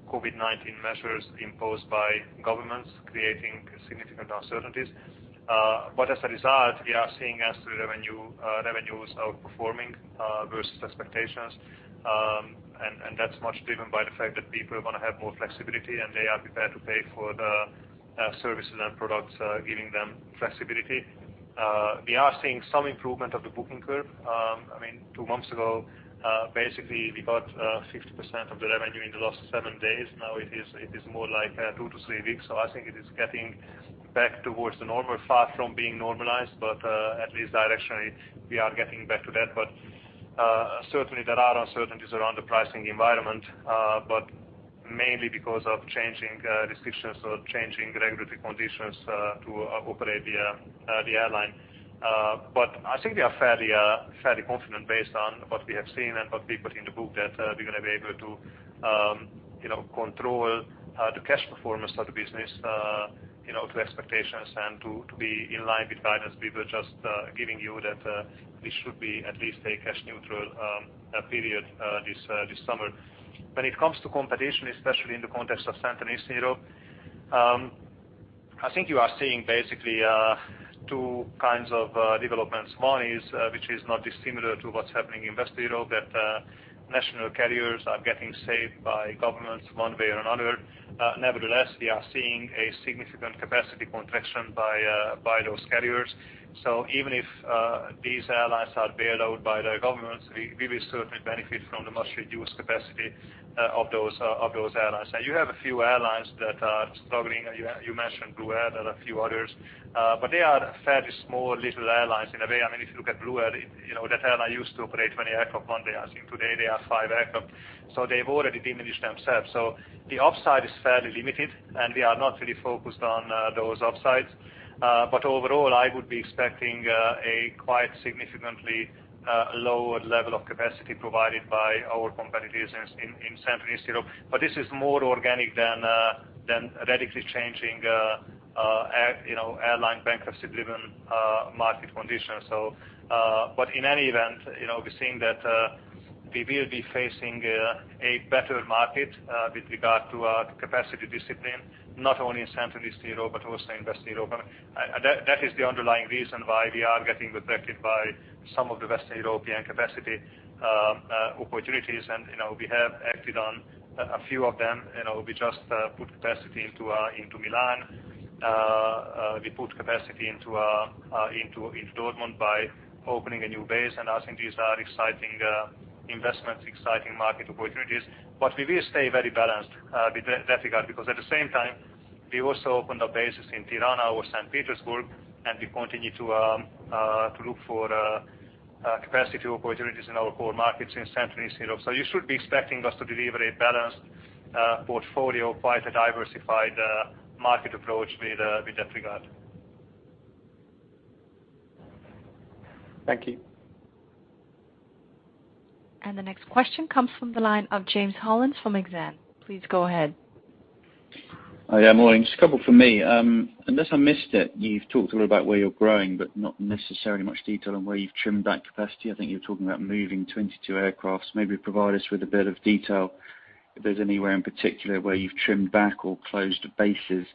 COVID-19 measures imposed by governments creating significant uncertainties. As a result, we are seeing as to revenues outperforming versus expectations, and that's much driven by the fact that people want to have more flexibility and they are prepared to pay for the services and products giving them flexibility. We are seeing some improvement of the booking curve. Two months ago, basically we got 50% of the revenue in the last seven days. Now it is more like two to three weeks. I think it is getting back towards the normal. Far from being normalized, at least directionally we are getting back to that. Certainly there are uncertainties around the pricing environment, but mainly because of changing restrictions or changing regulatory conditions to operate the airline. I think we are fairly confident based on what we have seen and what we put in the book that we're going to be able to control the CASK performance of the business to expectations and to be in line with guidance. We were just giving you that this should be at least a cash neutral period this summer. When it comes to competition, especially in the context of Central Eastern Europe, I think you are seeing basically two kinds of developments. One is, which is not dissimilar to what's happening in Western Europe, that national carriers are getting saved by governments one way or another. Nevertheless, we are seeing a significant capacity contraction by those carriers. Even if these airlines are bailed out by their governments, we will certainly benefit from the much reduced capacity of those airlines. You have a few airlines that are struggling. You mentioned Blue Air. There are a few others. They are fairly small little airlines in a way. If you look at Blue Air, that airline used to operate 20 aircraft one day. I think today they have five aircraft. They've already diminished themselves. The upside is fairly limited, and we are not really focused on those upsides. Overall, I would be expecting a quite significantly lower level of capacity provided by our competitors in Central Eastern Europe. This is more organic than radically changing airline bankruptcy-driven market conditions. In any event, we're seeing that we will be facing a better market with regard to our capacity discipline, not only in Central Eastern Europe, but also in Western Europe. That is the underlying reason why we are getting attracted by some of the Western European capacity opportunities. We have acted on a few of them. We just put capacity into Milan. We put capacity into Dortmund by opening a new base. I think these are exciting investments, exciting market opportunities. We will stay very balanced with that regard, because at the same time, we also opened up bases in Tirana or Saint Petersburg, and we continue to look for capacity opportunities in our core markets in Central Europe. You should be expecting us to deliver a balanced portfolio, quite a diversified market approach with that regard. Thank you. The next question comes from the line of James Hollins from Exane. Please go ahead. Yeah, morning. Just a couple from me. Unless I missed it, you've talked a lot about where you're growing, but not necessarily much detail on where you've trimmed back capacity. I think you were talking about moving 22 aircraft. Maybe provide us with a bit of detail if there's anywhere in particular where you've trimmed back or closed bases.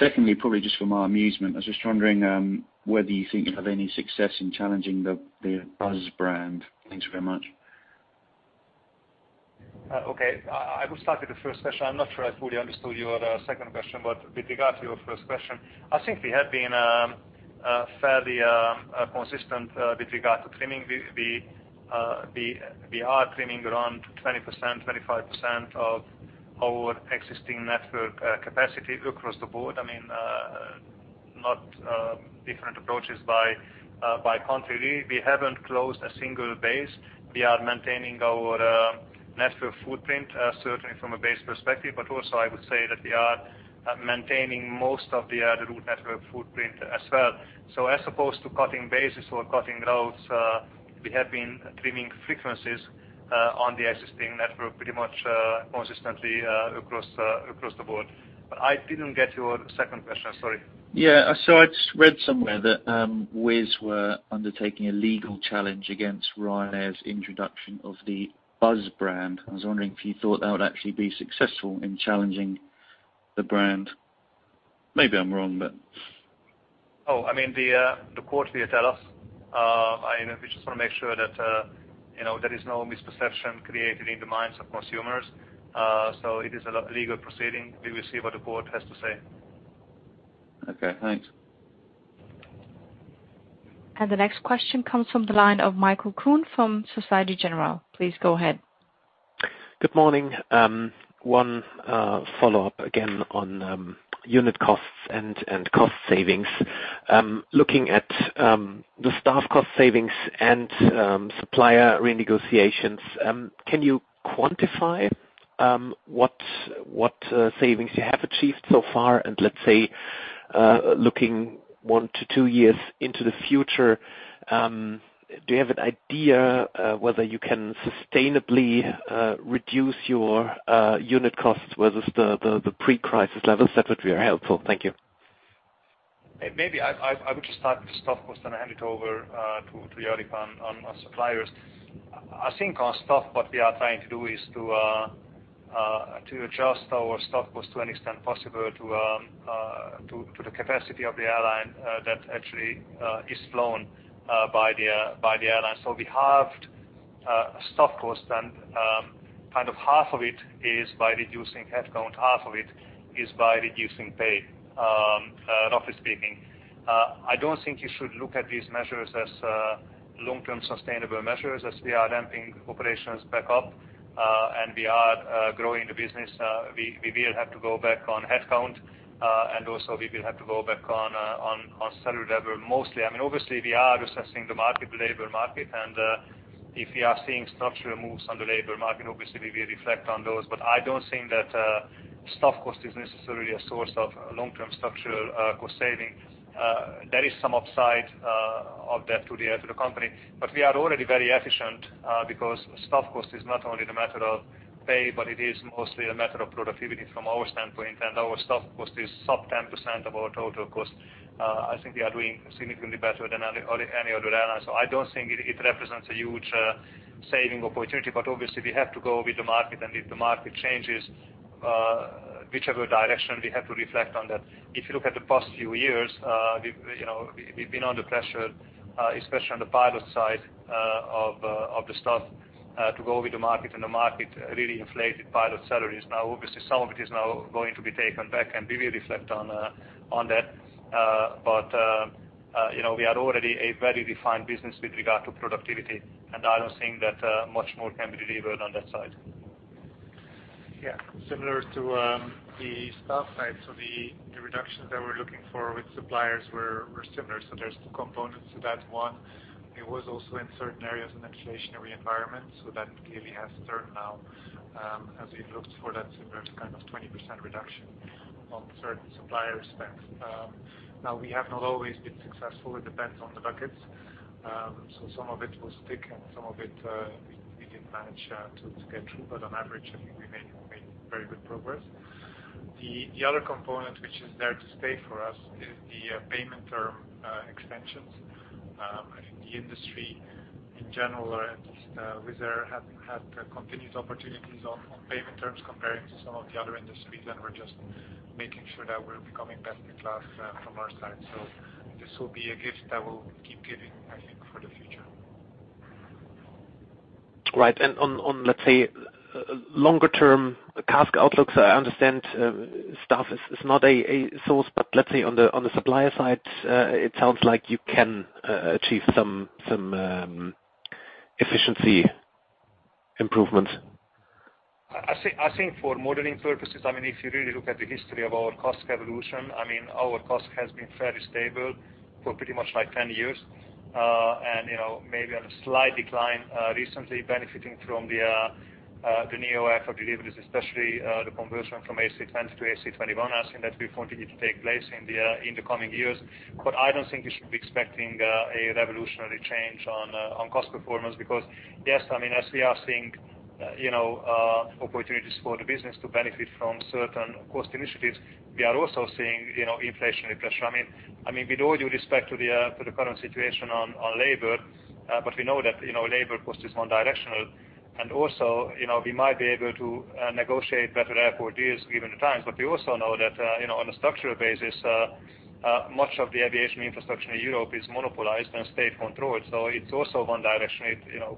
Secondly, probably just for my amusement, I was just wondering whether you think you'll have any success in challenging the Buzz brand. Thanks very much. Okay. I will start with the first question. I'm not sure I fully understood your second question, but with regard to your first question, I think we have been fairly consistent with regard to trimming. We are trimming around 20%, 25% of our existing network capacity across the board. I mean, not different approaches by country. We haven't closed a single base. We are maintaining our network footprint, certainly from a base perspective, but also I would say that we are maintaining most of the route network footprint as well. As opposed to cutting bases or cutting routes, we have been trimming frequencies on the existing network pretty much consistently across the board. I didn't get your second question, sorry. Yeah. I just read somewhere that Wizz were undertaking a legal challenge against Ryanair's introduction of the Buzz brand. I was wondering if you thought that would actually be successful in challenging the brand. Maybe I'm wrong, but. I mean, the court will tell us. We just want to make sure that there is no misperception created in the minds of consumers. It is a legal proceeding. We will see what the court has to say. Okay, thanks. The next question comes from the line of Michael Kuhn from Société Générale. Please go ahead. Good morning. One follow-up again on unit costs and cost savings. Looking at the staff cost savings and supplier renegotiations, can you quantify what savings you have achieved so far? Let's say, looking one to two years into the future, do you have an idea whether you can sustainably reduce your unit costs versus the pre-crisis levels? That would be helpful. Thank you. I would just start with the staff cost, hand it over to Jourik on suppliers. I think on staff, what we are trying to do is to adjust our staff cost to any extent possible to the capacity of the airline that actually is flown by the airline. We halved staff cost, half of it is by reducing headcount, half of it is by reducing pay, roughly speaking. I don't think you should look at these measures as long-term sustainable measures as we are ramping operations back up, we are growing the business. We will have to go back on headcount, also we will have to go back on salary level mostly. Obviously, we are assessing the labor market, if we are seeing structural moves on the labor market, obviously we will reflect on those. I don't think that staff cost is necessarily a source of long-term structural cost saving. There is some upside of that to the company. We are already very efficient because staff cost is not only the matter of pay, but it is mostly a matter of productivity from our standpoint, and our staff cost is sub 10% of our total cost. I think we are doing significantly better than any other airline. I don't think it represents a huge saving opportunity, but obviously we have to go with the market, and if the market changes, whichever direction, we have to reflect on that. If you look at the past few years, we've been under pressure, especially on the pilot side of the staff, to go with the market, and the market really inflated pilot salaries. Obviously, some of it is now going to be taken back, and we will reflect on that. We are already a very refined business with regard to productivity, and I don't think that much more can be delivered on that side. Yeah. Similar to the staff side. The reductions that we're looking for with suppliers were similar. There's two components to that. One, it was also in certain areas an inflationary environment. That clearly has turned now as we've looked for that similar to kind of 20% reduction on certain supplier spends. Now, we have not always been successful. It depends on the buckets. Some of it was stick, and some of it we didn't manage to get through, but on average, I think we made very good progress. The other component, which is there to stay for us, is the payment term extensions. I think the industry in general, or at least Wizz Air, have had continued opportunities on payment terms comparing to some of the other industries, and we're just making sure that we're becoming best in class from our side. This will be a gift that will keep giving, I think, for the future. Right. On, let's say, longer term CASK outlooks, I understand staff is not a source, but let's say on the supplier side, it sounds like you can achieve some efficiency improvements. I think for modeling purposes, if you really look at the history of our cost evolution, our cost has been fairly stable for pretty much 10 years. Maybe on a slight decline recently benefiting from the neo aircraft deliveries, especially the conversion from A320 to A321. I think that will continue to take place in the coming years. I don't think you should be expecting a revolutionary change on cost performance because, yes, as we are seeing opportunities for the business to benefit from certain cost initiatives, we are also seeing inflationary pressure. With all due respect to the current situation on labor, but we know that labor cost is one directional, and also, we might be able to negotiate better airport deals given the times. We also know that on a structural basis, much of the aviation infrastructure in Europe is monopolized and state-controlled, so it's also one direction.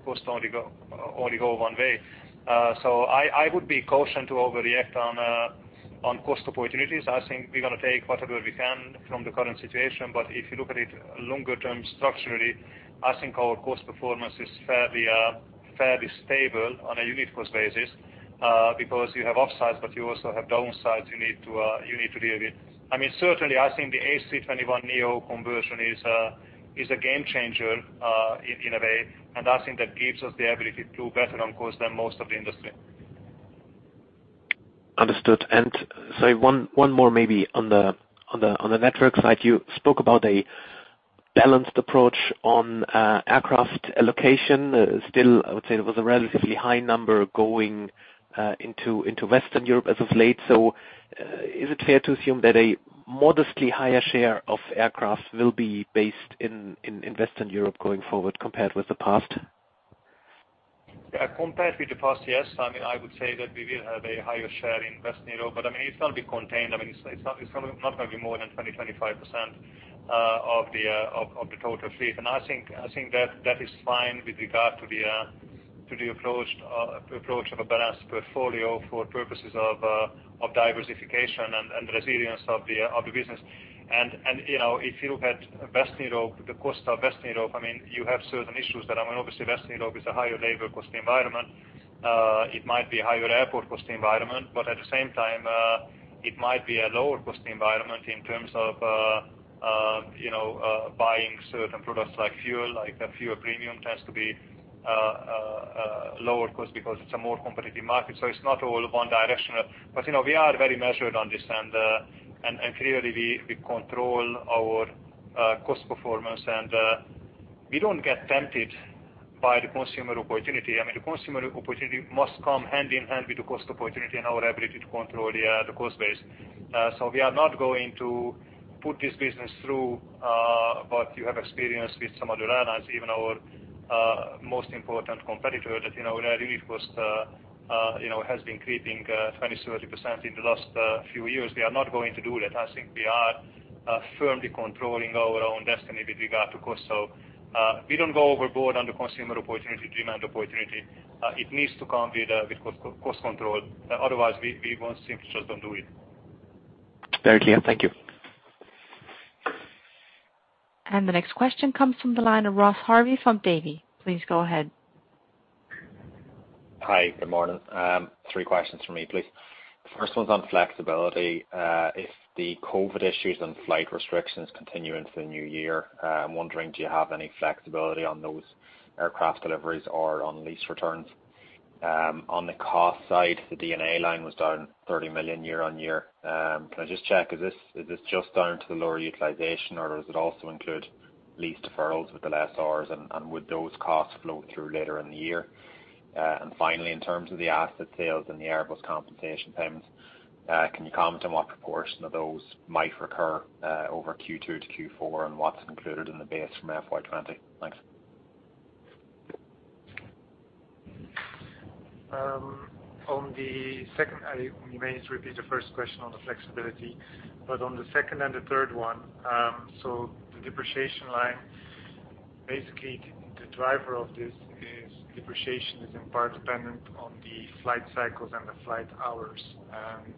Costs only go one way. I would be cautioned to overreact on cost opportunities. I think we're going to take whatever we can from the current situation, but if you look at it longer term structurally, I think our cost performance is fairly stable on a unit cost basis because you have upsides, but you also have downsides you need to deal with. Certainly, I think the A321neo conversion is a game changer in a way, and I think that gives us the ability to do better on cost than most of the industry. Understood. Sorry, one more maybe on the network side. You spoke about a balanced approach on aircraft allocation. Still, I would say it was a relatively high number going into Western Europe as of late. Is it fair to assume that a modestly higher share of aircraft will be based in Western Europe going forward compared with the past? Yeah. Compared with the past, yes. I would say that we will have a higher share in Western Europe, but it's going to be contained. It's not going to be more than 20%, 25% of the total fleet. I think that is fine with regard to the approach of a balanced portfolio for purposes of diversification and the resilience of the business. If you look at Western Europe, the cost of Western Europe, you have certain issues that obviously Western Europe is a higher labor cost environment. It might be a higher airport cost environment, but at the same time, it might be a lower cost environment in terms of buying certain products like fuel. Like the fuel premium tends to be lower cost because it's a more competitive market, so it's not all one directional. We are very measured on this, and clearly we control our cost performance, and we don't get tempted by the consumer opportunity. The consumer opportunity must come hand in hand with the cost opportunity and our ability to control the cost base. We are not going to put this business through what you have experienced with some other airlines, even our most important competitor that really cost has been creeping 20%, 30% in the last few years. We are not going to do that. I think we are firmly controlling our own destiny with regard to cost. We don't go overboard on the consumer opportunity, demand opportunity. It needs to come with cost control. Otherwise, we won't simply just don't do it. Very clear. Thank you. The next question comes from the line of Ross Harvey from Davy. Please go ahead. Hi. Good morning. Three questions from me, please. The first one's on flexibility. If the COVID issues and flight restrictions continue into the new year, I'm wondering, do you have any flexibility on those aircraft deliveries or on lease returns? On the cost side, the D&A line was down 30 million year-on-year. Can I just check, is this just down to the lower utilization, or does it also include lease deferrals with the lessors, and would those costs flow through later in the year? Finally, in terms of the asset sales and the Airbus compensation payments, can you comment on what proportion of those might recur over Q2-Q4 and what's included in the base from FY 2020? Thanks. On the second, you may need to repeat the first question on the flexibility. On the second and the third one, the depreciation line, basically the driver of this is depreciation is in part dependent on the flight cycles and the flight hours.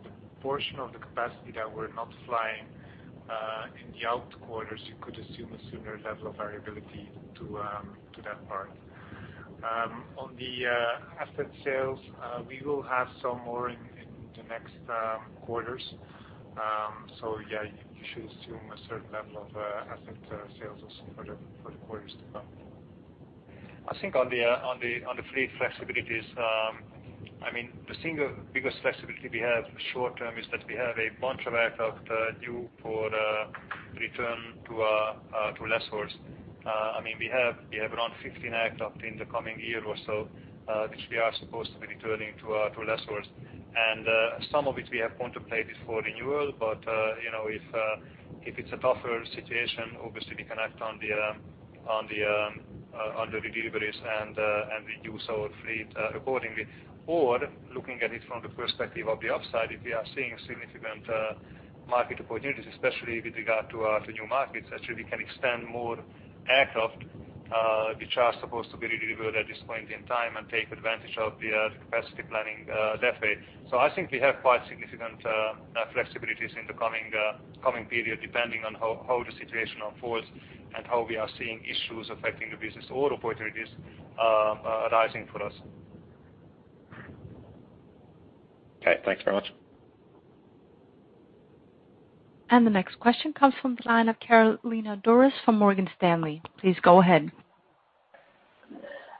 The portion of the capacity that we're not flying in the out quarters, you could assume a similar level of variability to that part. On the asset sales, we will have some more in the next quarters. Yeah, you should assume a certain level of asset sales also for the quarters to come. I think on the fleet flexibilities, the single biggest flexibility we have short-term is that we have a bunch of aircraft due for return to lessors. We have around 15 aircraft in the coming year or so, which we are supposed to be returning to lessors. Some of it we have contemplated for renewal. If it's a tougher situation, obviously we can act on the redeliveries and reduce our fleet accordingly. Looking at it from the perspective of the upside, if we are seeing significant market opportunities, especially with regard to new markets, actually, we can extend more aircraft which are supposed to be delivered at this point in time and take advantage of the capacity planning that way. I think we have quite significant flexibilities in the coming period, depending on how the situation unfolds and how we are seeing issues affecting the business or opportunities arising for us. Okay, thanks very much. The next question comes from the line of Carolina Dores from Morgan Stanley. Please go ahead.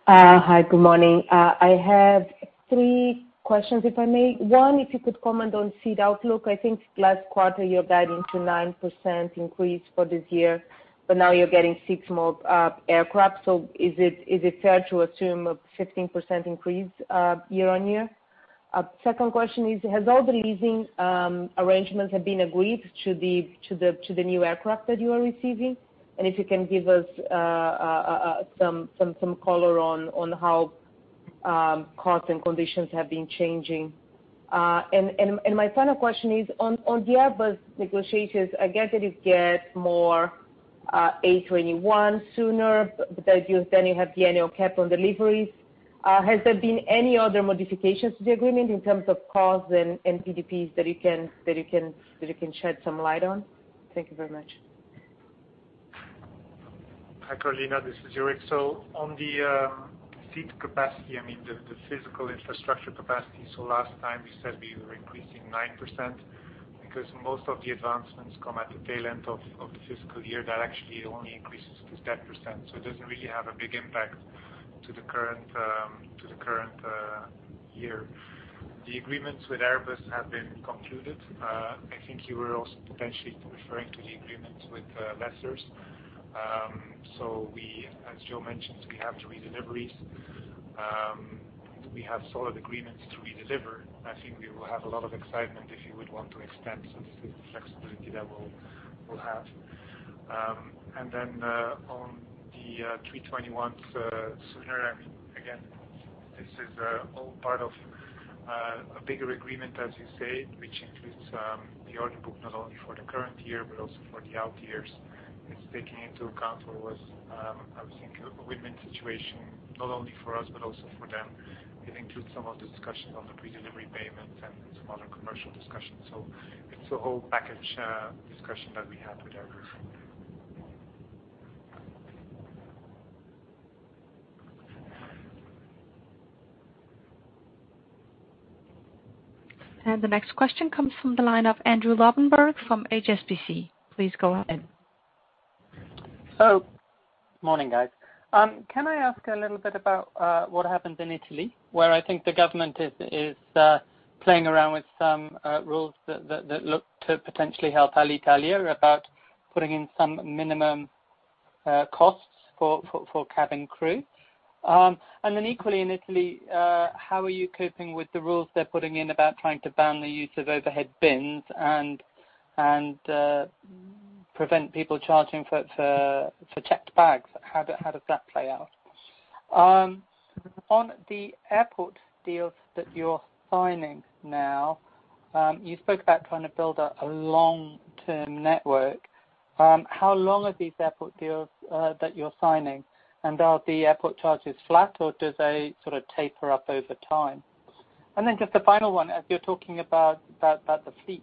Hi, good morning. I have three questions, if I may. One, if you could comment on seat outlook. I think last quarter you were guiding to 9% increase for this year, but now you're getting six more aircraft. Is it fair to assume a 15% increase year on year? Second question is, has all the leasing arrangements have been agreed to the new aircraft that you are receiving? If you can give us some color on how costs and conditions have been changing. My final question is on the Airbus negotiations, I get that you get more A321 sooner, but then you have the annual cap on deliveries. Has there been any other modifications to the agreement in terms of costs and PDPs that you can shed some light on? Thank you very much. Hi, Carolina, this is Jourik. On the seat capacity, I mean, the physical infrastructure capacity. Last time we said we were increasing 9% because most of the advancements come at the tail end of the fiscal year, that actually only increases to 10%. It doesn't really have a big impact to the current year. The agreements with Airbus have been concluded. I think you were also potentially referring to the agreements with lessors. As Joe mentioned, we have three deliveries. We have solid agreements to redeliver. I think we will have a lot of excitement if you would want to extend. This is the flexibility that we'll have. On the A321s, sooner, again, this is all part of a bigger agreement, as you say, which includes the order book, not only for the current year, but also for the out years. It's taking into account what was, I would think, a win-win situation, not only for us, but also for them. It includes some of the discussions on the predelivery payment and some other commercial discussions. It's a whole package discussion that we have with Airbus. The next question comes from the line of Andrew Lobbenberg from HSBC. Please go ahead. Morning, guys. Can I ask a little bit about what happens in Italy, where I think the government is playing around with some rules that look to potentially help Alitalia about putting in some minimum costs for cabin crew. Equally in Italy, how are you coping with the rules they're putting in about trying to ban the use of overhead bins and prevent people charging for checked bags? How does that play out? On the airport deals that you're signing now, you spoke about trying to build a long-term network. How long are these airport deals that you're signing, and are the airport charges flat, or do they sort of taper up over time? Just a final one, as you're talking about the fleet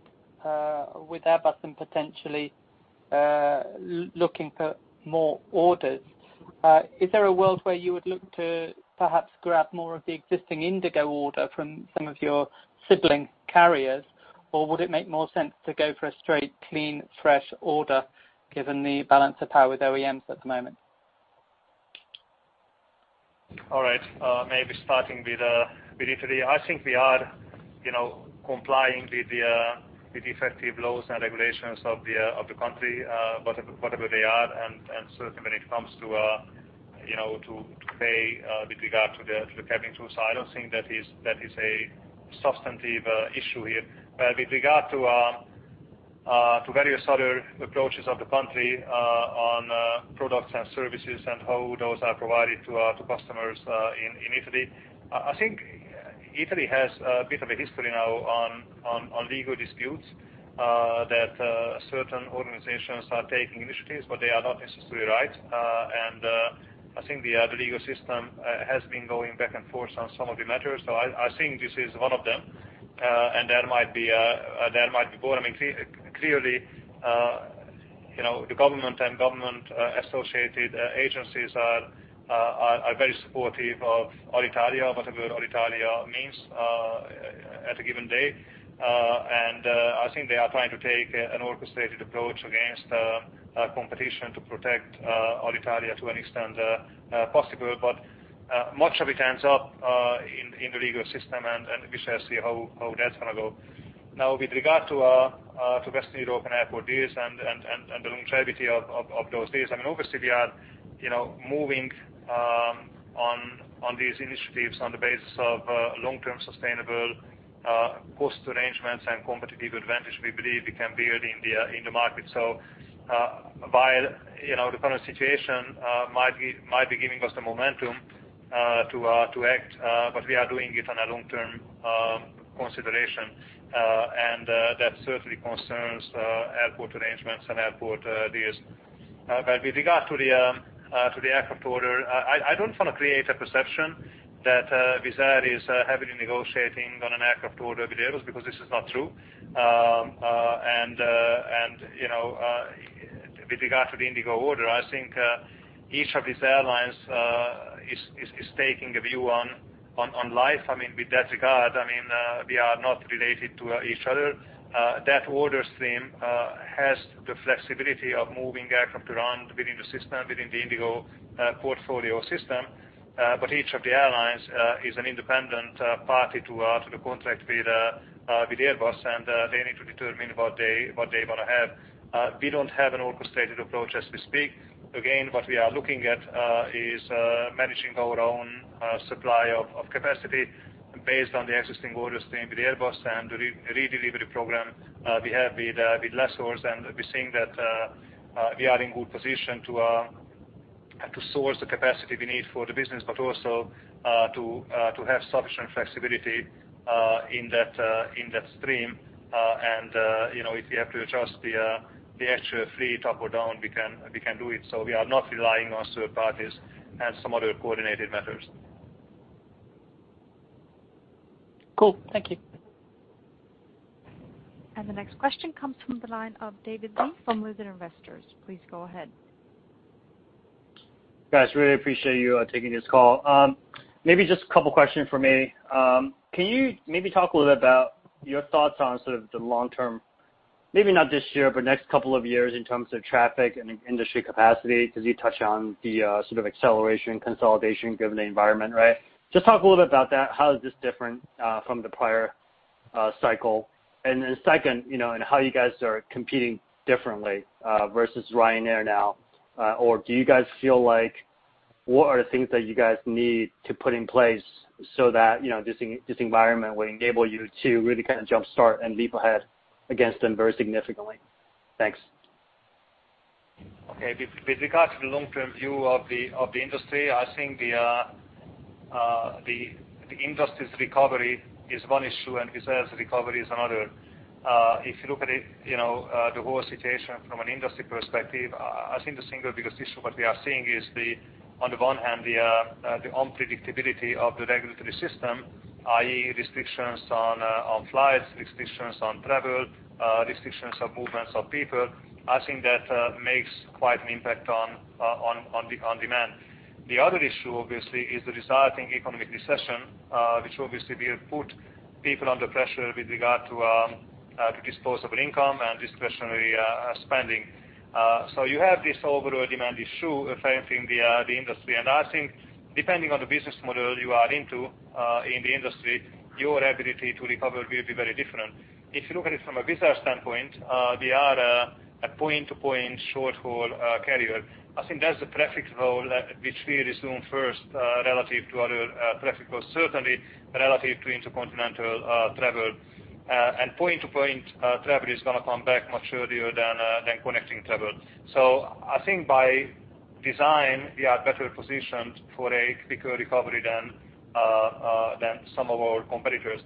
with Airbus and potentially looking for more orders. Is there a world where you would look to perhaps grab more of the existing Indigo order from some of your sibling carriers, or would it make more sense to go for a straight, clean, fresh order given the balance of power with OEMs at the moment? All right. Maybe starting with Italy. I think we are complying with the effective laws and regulations of the country whatever they are, and certainly when it comes to pay with regard to the cabin crew. I don't think that is a substantive issue here. With regard to various other approaches of the country on products and services and how those are provided to our customers in Italy. I think Italy has a bit of a history now on legal disputes, that certain organizations are taking initiatives, but they are not necessarily right. I think the legal system has been going back and forth on some of the matters. I think this is one of them, and there might be more. Clearly, the government and government-associated agencies are very supportive of Alitalia, whatever Alitalia means at a given day. I think they are trying to take an orchestrated approach against competition to protect Alitalia to an extent possible. Much of it ends up in the legal system, and we shall see how that's going to go. Now with regard to Western European airport deals and the longevity of those deals, obviously we are moving on these initiatives on the basis of long-term sustainable cost arrangements and competitive advantage we believe we can build in the market. While the current situation might be giving us the momentum to act, but we are doing it on a long-term consideration, and that certainly concerns airport arrangements and airport deals. With regard to the aircraft order, I don't want to create a perception that Wizz Air is heavily negotiating on an aircraft order with Airbus, because this is not true. With regard to the Indigo order, I think each of these airlines is taking a view on life. With that regard, we are not related to each other. That order stream has the flexibility of moving aircraft around within the system, within the Indigo portfolio system. Each of the airlines is an independent party to the contract with Airbus, and they need to determine what they want to have. We don't have an orchestrated approach as we speak. Again, what we are looking at is managing our own supply of capacity based on the existing order stream with Airbus and the redelivery program we have with lessors. We're seeing that we are in good position to source the capacity we need for the business, but also to have sufficient flexibility in that stream. If we have to adjust the actual fleet up or down, we can do it. We are not relying on third parties and some other coordinated matters. Cool. Thank you. The next question comes from the line of David Lee from Luther Investors. Please go ahead. Guys, really appreciate you taking this call. Maybe just a couple questions from me. Can you maybe talk a little bit about your thoughts on sort of the long-term, maybe not this year, but next couple of years in terms of traffic and industry capacity? Because you touched on the sort of acceleration consolidation given the environment, right? Just talk a little bit about that. How is this different from the prior cycle? Second, how you guys are competing differently versus Ryanair now? Do you guys feel like, what are the things that you guys need to put in place so that this environment will enable you to really kind of jumpstart and leap ahead against them very significantly? Thanks. Okay. With regard to the long-term view of the industry, I think the industry's recovery is one issue and Wizz Air's recovery is another. If you look at it, the whole situation from an industry perspective, I think the single biggest issue what we are seeing is on the one hand, the unpredictability of the regulatory system, i.e., restrictions on flights, restrictions on travel, restrictions on movements of people. I think that makes quite an impact on demand. The other issue, obviously, is the resulting economic recession, which obviously will put people under pressure with regard to disposable income and discretionary spending. You have this overall demand issue affecting the industry. I think depending on the business model you are into in the industry, your ability to recover will be very different. If you look at it from a Wizz Air standpoint, we are a point-to-point short-haul carrier. I think that's the traffic flow which we resume first relative to other traffic flow, certainly relative to intercontinental travel. Point-to-point travel is going to come back much earlier than connecting travel. I think by design, we are better positioned for a quicker recovery than some of our competitors.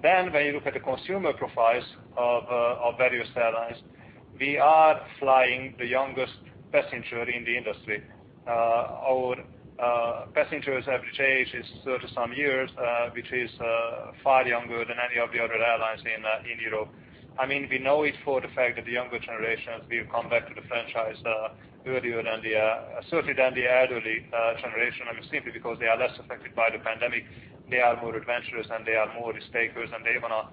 When you look at the consumer profiles of various airlines, we are flying the youngest passenger in the industry. Our passengers' average age is 30-some years, which is far younger than any of the other airlines in Europe. We know it for the fact that the younger generations will come back to the franchise earlier, certainly than the elderly generation, simply because they are less affected by the pandemic. They are more adventurous, and they are more risk-takers, and they want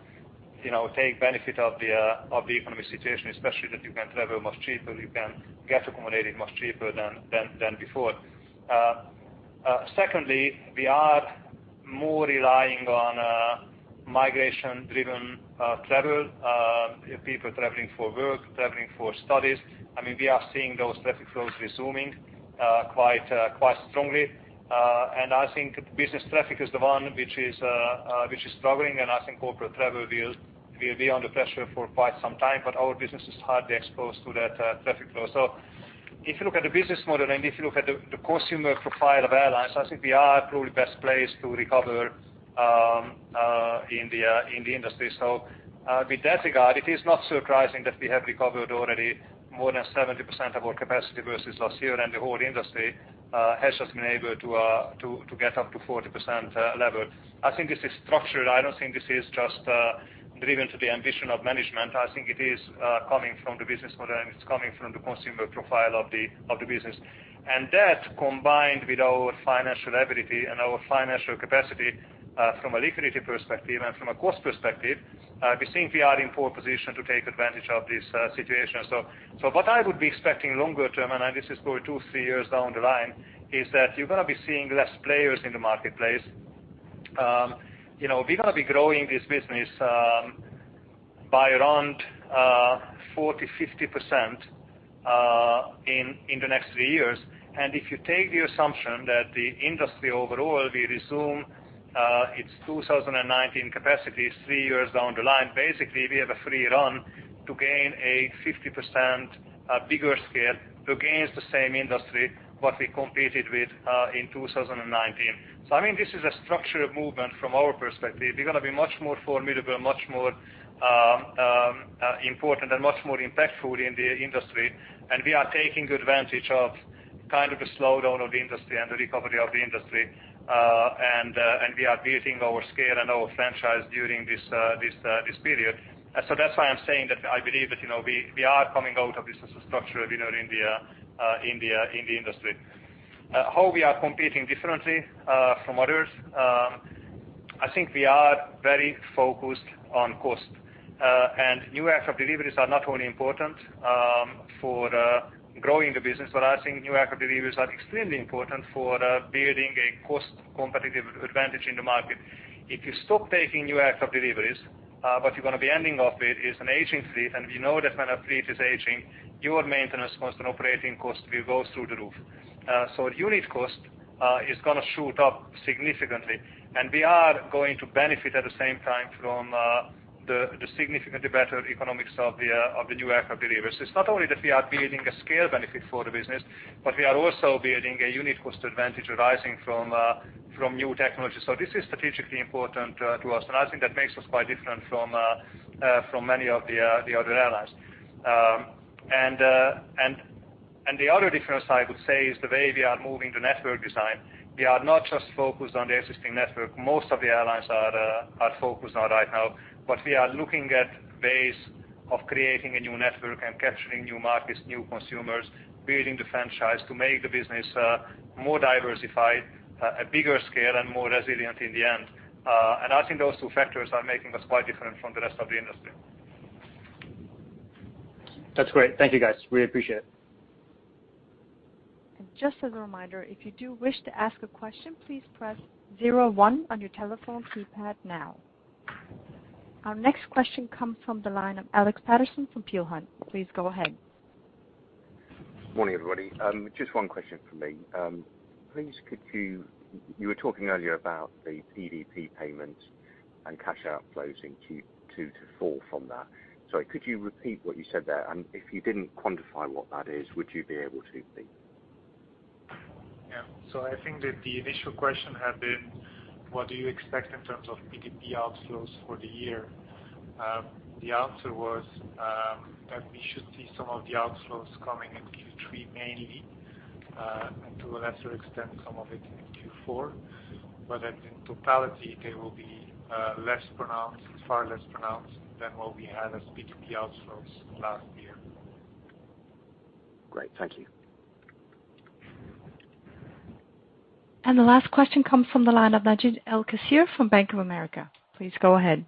to take benefit of the economic situation, especially that you can travel much cheaper, you can get accommodated much cheaper than before. Secondly, we are more relying on migration-driven travel, people traveling for work, traveling for studies. We are seeing those traffic flows resuming quite strongly. I think business traffic is the one which is struggling, and I think corporate travel will be under pressure for quite some time, but our business is hardly exposed to that traffic flow. If you look at the business model and if you look at the consumer profile of airlines, I think we are probably best placed to recover in the industry. With that regard, it is not surprising that we have recovered already more than 70% of our capacity versus last year, and the whole industry has just been able to get up to 40% level. I think this is structured. I don't think this is just driven to the ambition of management. I think it is coming from the business model, and it's coming from the consumer profile of the business. That, combined with our financial ability and our financial capacity from a liquidity perspective and from a cost perspective, we think we are in pole position to take advantage of this situation. What I would be expecting longer term, and this is for two, three years down the line, is that you're going to be seeing less players in the marketplace. We're going to be growing this business by around 40%, 50% in the next three years. If you take the assumption that the industry overall will resume its 2019 capacity is three years down the line. Basically, we have a free run to gain a 50% bigger scale against the same industry what we competed with in 2019. I mean, this is a structural movement from our perspective. We're going to be much more formidable, much more important, and much more impactful in the industry. We are taking advantage of kind of a slowdown of the industry and the recovery of the industry. We are building our scale and our franchise during this period. That's why I'm saying that I believe that we are coming out of this as a structural winner in the industry. How we are competing differently from others, I think we are very focused on cost. New aircraft deliveries are not only important for growing the business, but I think new aircraft deliveries are extremely important for building a cost competitive advantage in the market. If you stop taking new aircraft deliveries, what you're going to be ending up with is an aging fleet, and we know that when a fleet is aging, your maintenance cost and operating cost will go through the roof. Unit cost is going to shoot up significantly, and we are going to benefit at the same time from the significantly better economics of the new aircraft deliveries. It's not only that we are building a scale benefit for the business, but we are also building a unit cost advantage arising from new technology. This is strategically important to us, and I think that makes us quite different from many of the other airlines. The other difference I would say is the way we are moving the network design. We are not just focused on the existing network. Most of the airlines are focused on right now, but we are looking at ways of creating a new network and capturing new markets, new consumers, building the franchise to make the business more diversified, a bigger scale, and more resilient in the end. I think those two factors are making us quite different from the rest of the industry. That's great. Thank you, guys. Really appreciate it. Just as a reminder, if you do wish to ask a question, please press zero one on your telephone keypad now. Our next question comes from the line of Alex Paterson from Peel Hunt. Please go ahead. Morning, everybody. Just one question from me. You were talking earlier about the PDP payments and cash outflows in Q2 to four from that. Sorry, could you repeat what you said there? If you didn't quantify what that is, would you be able to, please? Yeah. I think that the initial question had been, what do you expect in terms of PDP outflows for the year? The answer was that we should see some of the outflows coming in Q3 mainly, and to a lesser extent, some of it in Q4, but that in totality, they will be far less pronounced than what we had as PDP outflows last year. Great. Thank you. The last question comes from the line of Najib El Kassir from Bank of America. Please go ahead.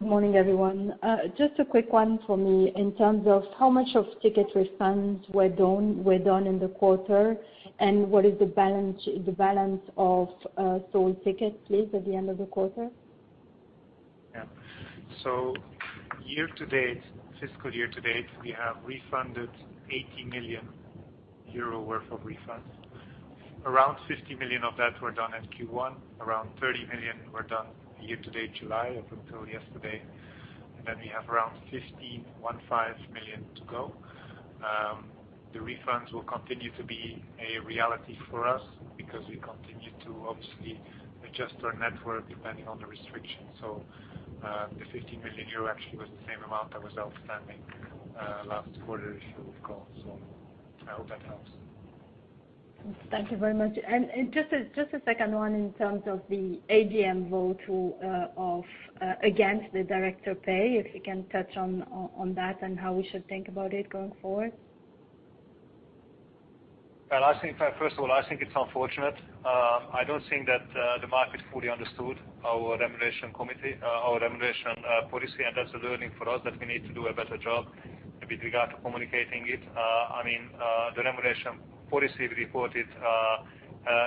Morning, everyone. Just a quick one for me. In terms of how much of ticket refunds were done in the quarter, and what is the balance of sold tickets, please, at the end of the quarter? Yeah. fiscal year to date, we have refunded 80 million euro worth of refunds. Around 50 million of that were done in Q1. Around 30 million were done year to date July, up until yesterday. We have around 15, one five million to go. The refunds will continue to be a reality for us because we continue to obviously adjust our network depending on the restrictions. The 15 million euro actually was the same amount that was outstanding last quarter, if you recall. I hope that helps. Thank you very much. Just a second one in terms of the AGM vote against the director pay, if you can touch on that and how we should think about it going forward? Well, first of all, I think it's unfortunate. I don't think that the market fully understood our remuneration policy, and that's a learning for us that we need to do a better job with regard to communicating it. I mean, the remuneration policy reported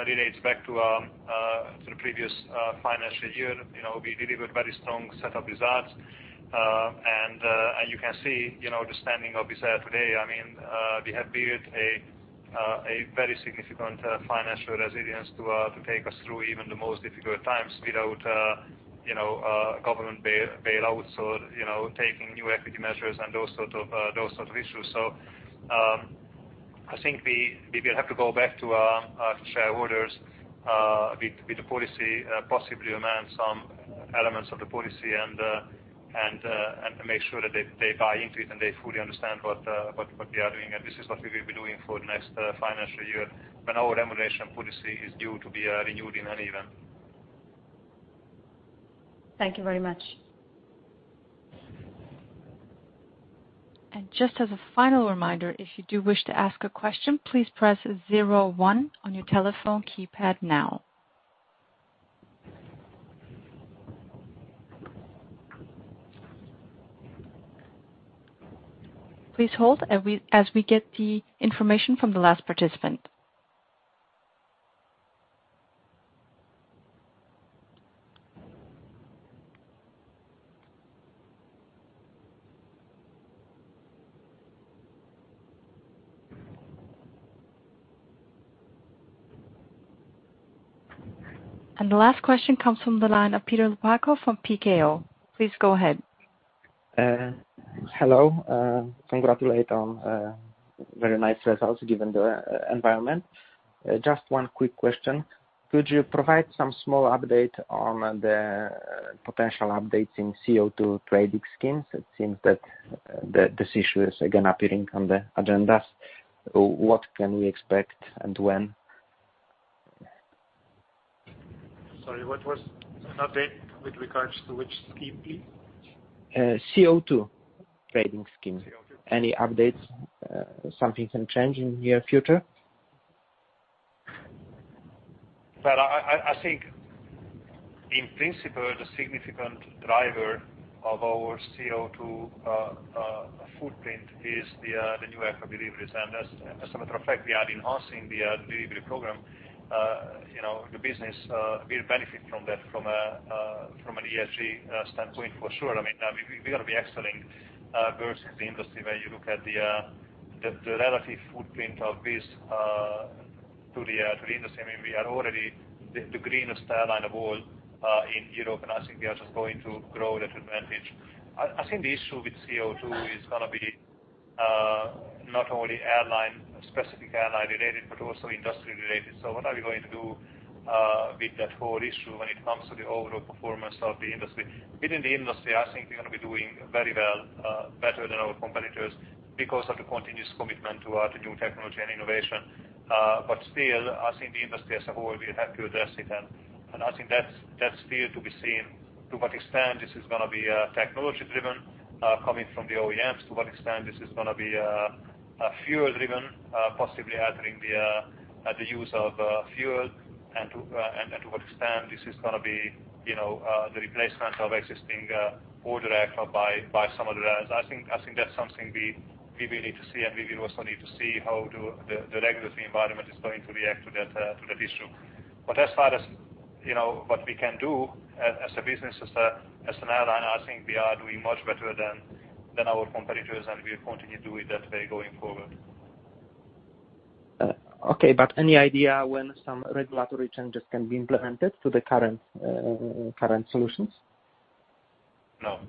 relates back to the previous financial year. We delivered very strong set of results. You can see the standing of Wizz Air today. I mean, we have built a very significant financial resilience to take us through even the most difficult times without government bailouts or taking new equity measures and those sort of issues. I think we will have to go back to our shareholders with the policy, possibly amend some elements of the policy, and make sure that they buy into it and they fully understand what we are doing, and this is what we will be doing for the next financial year when our remuneration policy is due to be renewed in any event. Thank you very much. Just as a final reminder, if you do wish to ask a question, please press zero one on your telephone keypad now. Please hold as we get the information from the last participant. The last question comes from the line of Piotr Łopaciuk from PKO. Please go ahead. Hello. Congratulate on very nice results given the environment. Just one quick question. Could you provide some small update on the potential updates in CO2 trading schemes? It seems that this issue is again appearing on the agendas. What can we expect and when? Sorry, what was an update with regards to which scheme, please? CO2 trading scheme. CO2. Any updates? Something can change in near future? Well, I think in principle, the significant driver of our CO2 footprint is the neo deliveries. As a matter of fact, we are enhancing the delivery program. The business will benefit from that from an ESG standpoint for sure. We are going to be excelling versus the industry when you look at the relative footprint of Wizz to the industry. We are already the greenest airline of all in Europe, and I think we are just going to grow that advantage. I think the issue with CO2 is going to be not only specific airline-related but also industry-related. What are we going to do with that whole issue when it comes to the overall performance of the industry? Within the industry, I think we're going to be doing very well, better than our competitors, because of the continuous commitment to new technology and innovation. Still, I think the industry as a whole will have to address it, and I think that's still to be seen to what extent this is going to be technology-driven, coming from the OEMs, to what extent this is going to be fuel-driven, possibly altering the use of fuel, and to what extent this is going to be the replacement of existing order by some other as. I think that's something we really need to see, and we will also need to see how the regulatory environment is going to react to that issue. As far as what we can do as a business, as an airline, I think we are doing much better than our competitors, and we will continue to do it that way going forward. Okay, any idea when some regulatory changes can be implemented to the current solutions? No.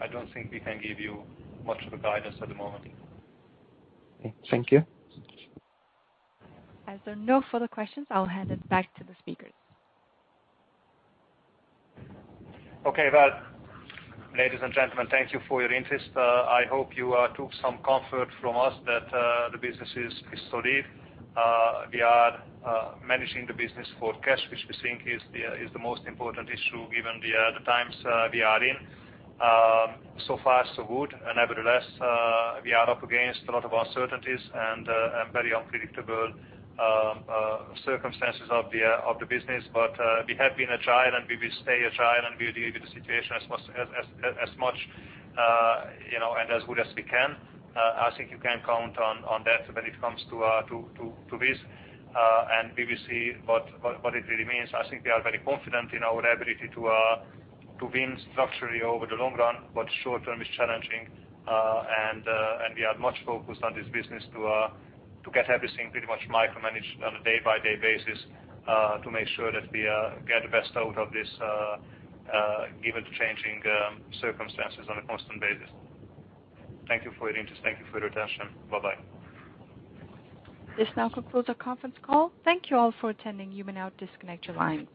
I don't think we can give you much of a guidance at the moment. Okay. Thank you. As there are no further questions, I'll hand it back to the speakers. Okay. Well, ladies and gentlemen, thank you for your interest. I hope you took some comfort from us that the business is solid. We are managing the business for cash, which we think is the most important issue given the times we are in. So far, so good. Nevertheless, we are up against a lot of uncertainties and very unpredictable circumstances of the business. We have been agile, and we will stay agile, and we will deal with the situation as much and as good as we can. I think you can count on that when it comes to Wizz, and we will see what it really means. I think we are very confident in our ability to win structurally over the long run, but short-term is challenging. We are much focused on this business to get everything pretty much micromanaged on a day-by-day basis to make sure that we get the best out of this, given the changing circumstances on a constant basis. Thank you for your interest. Thank you for your attention. Bye-bye. This now concludes our conference call. Thank you all for attending. You may now disconnect your line.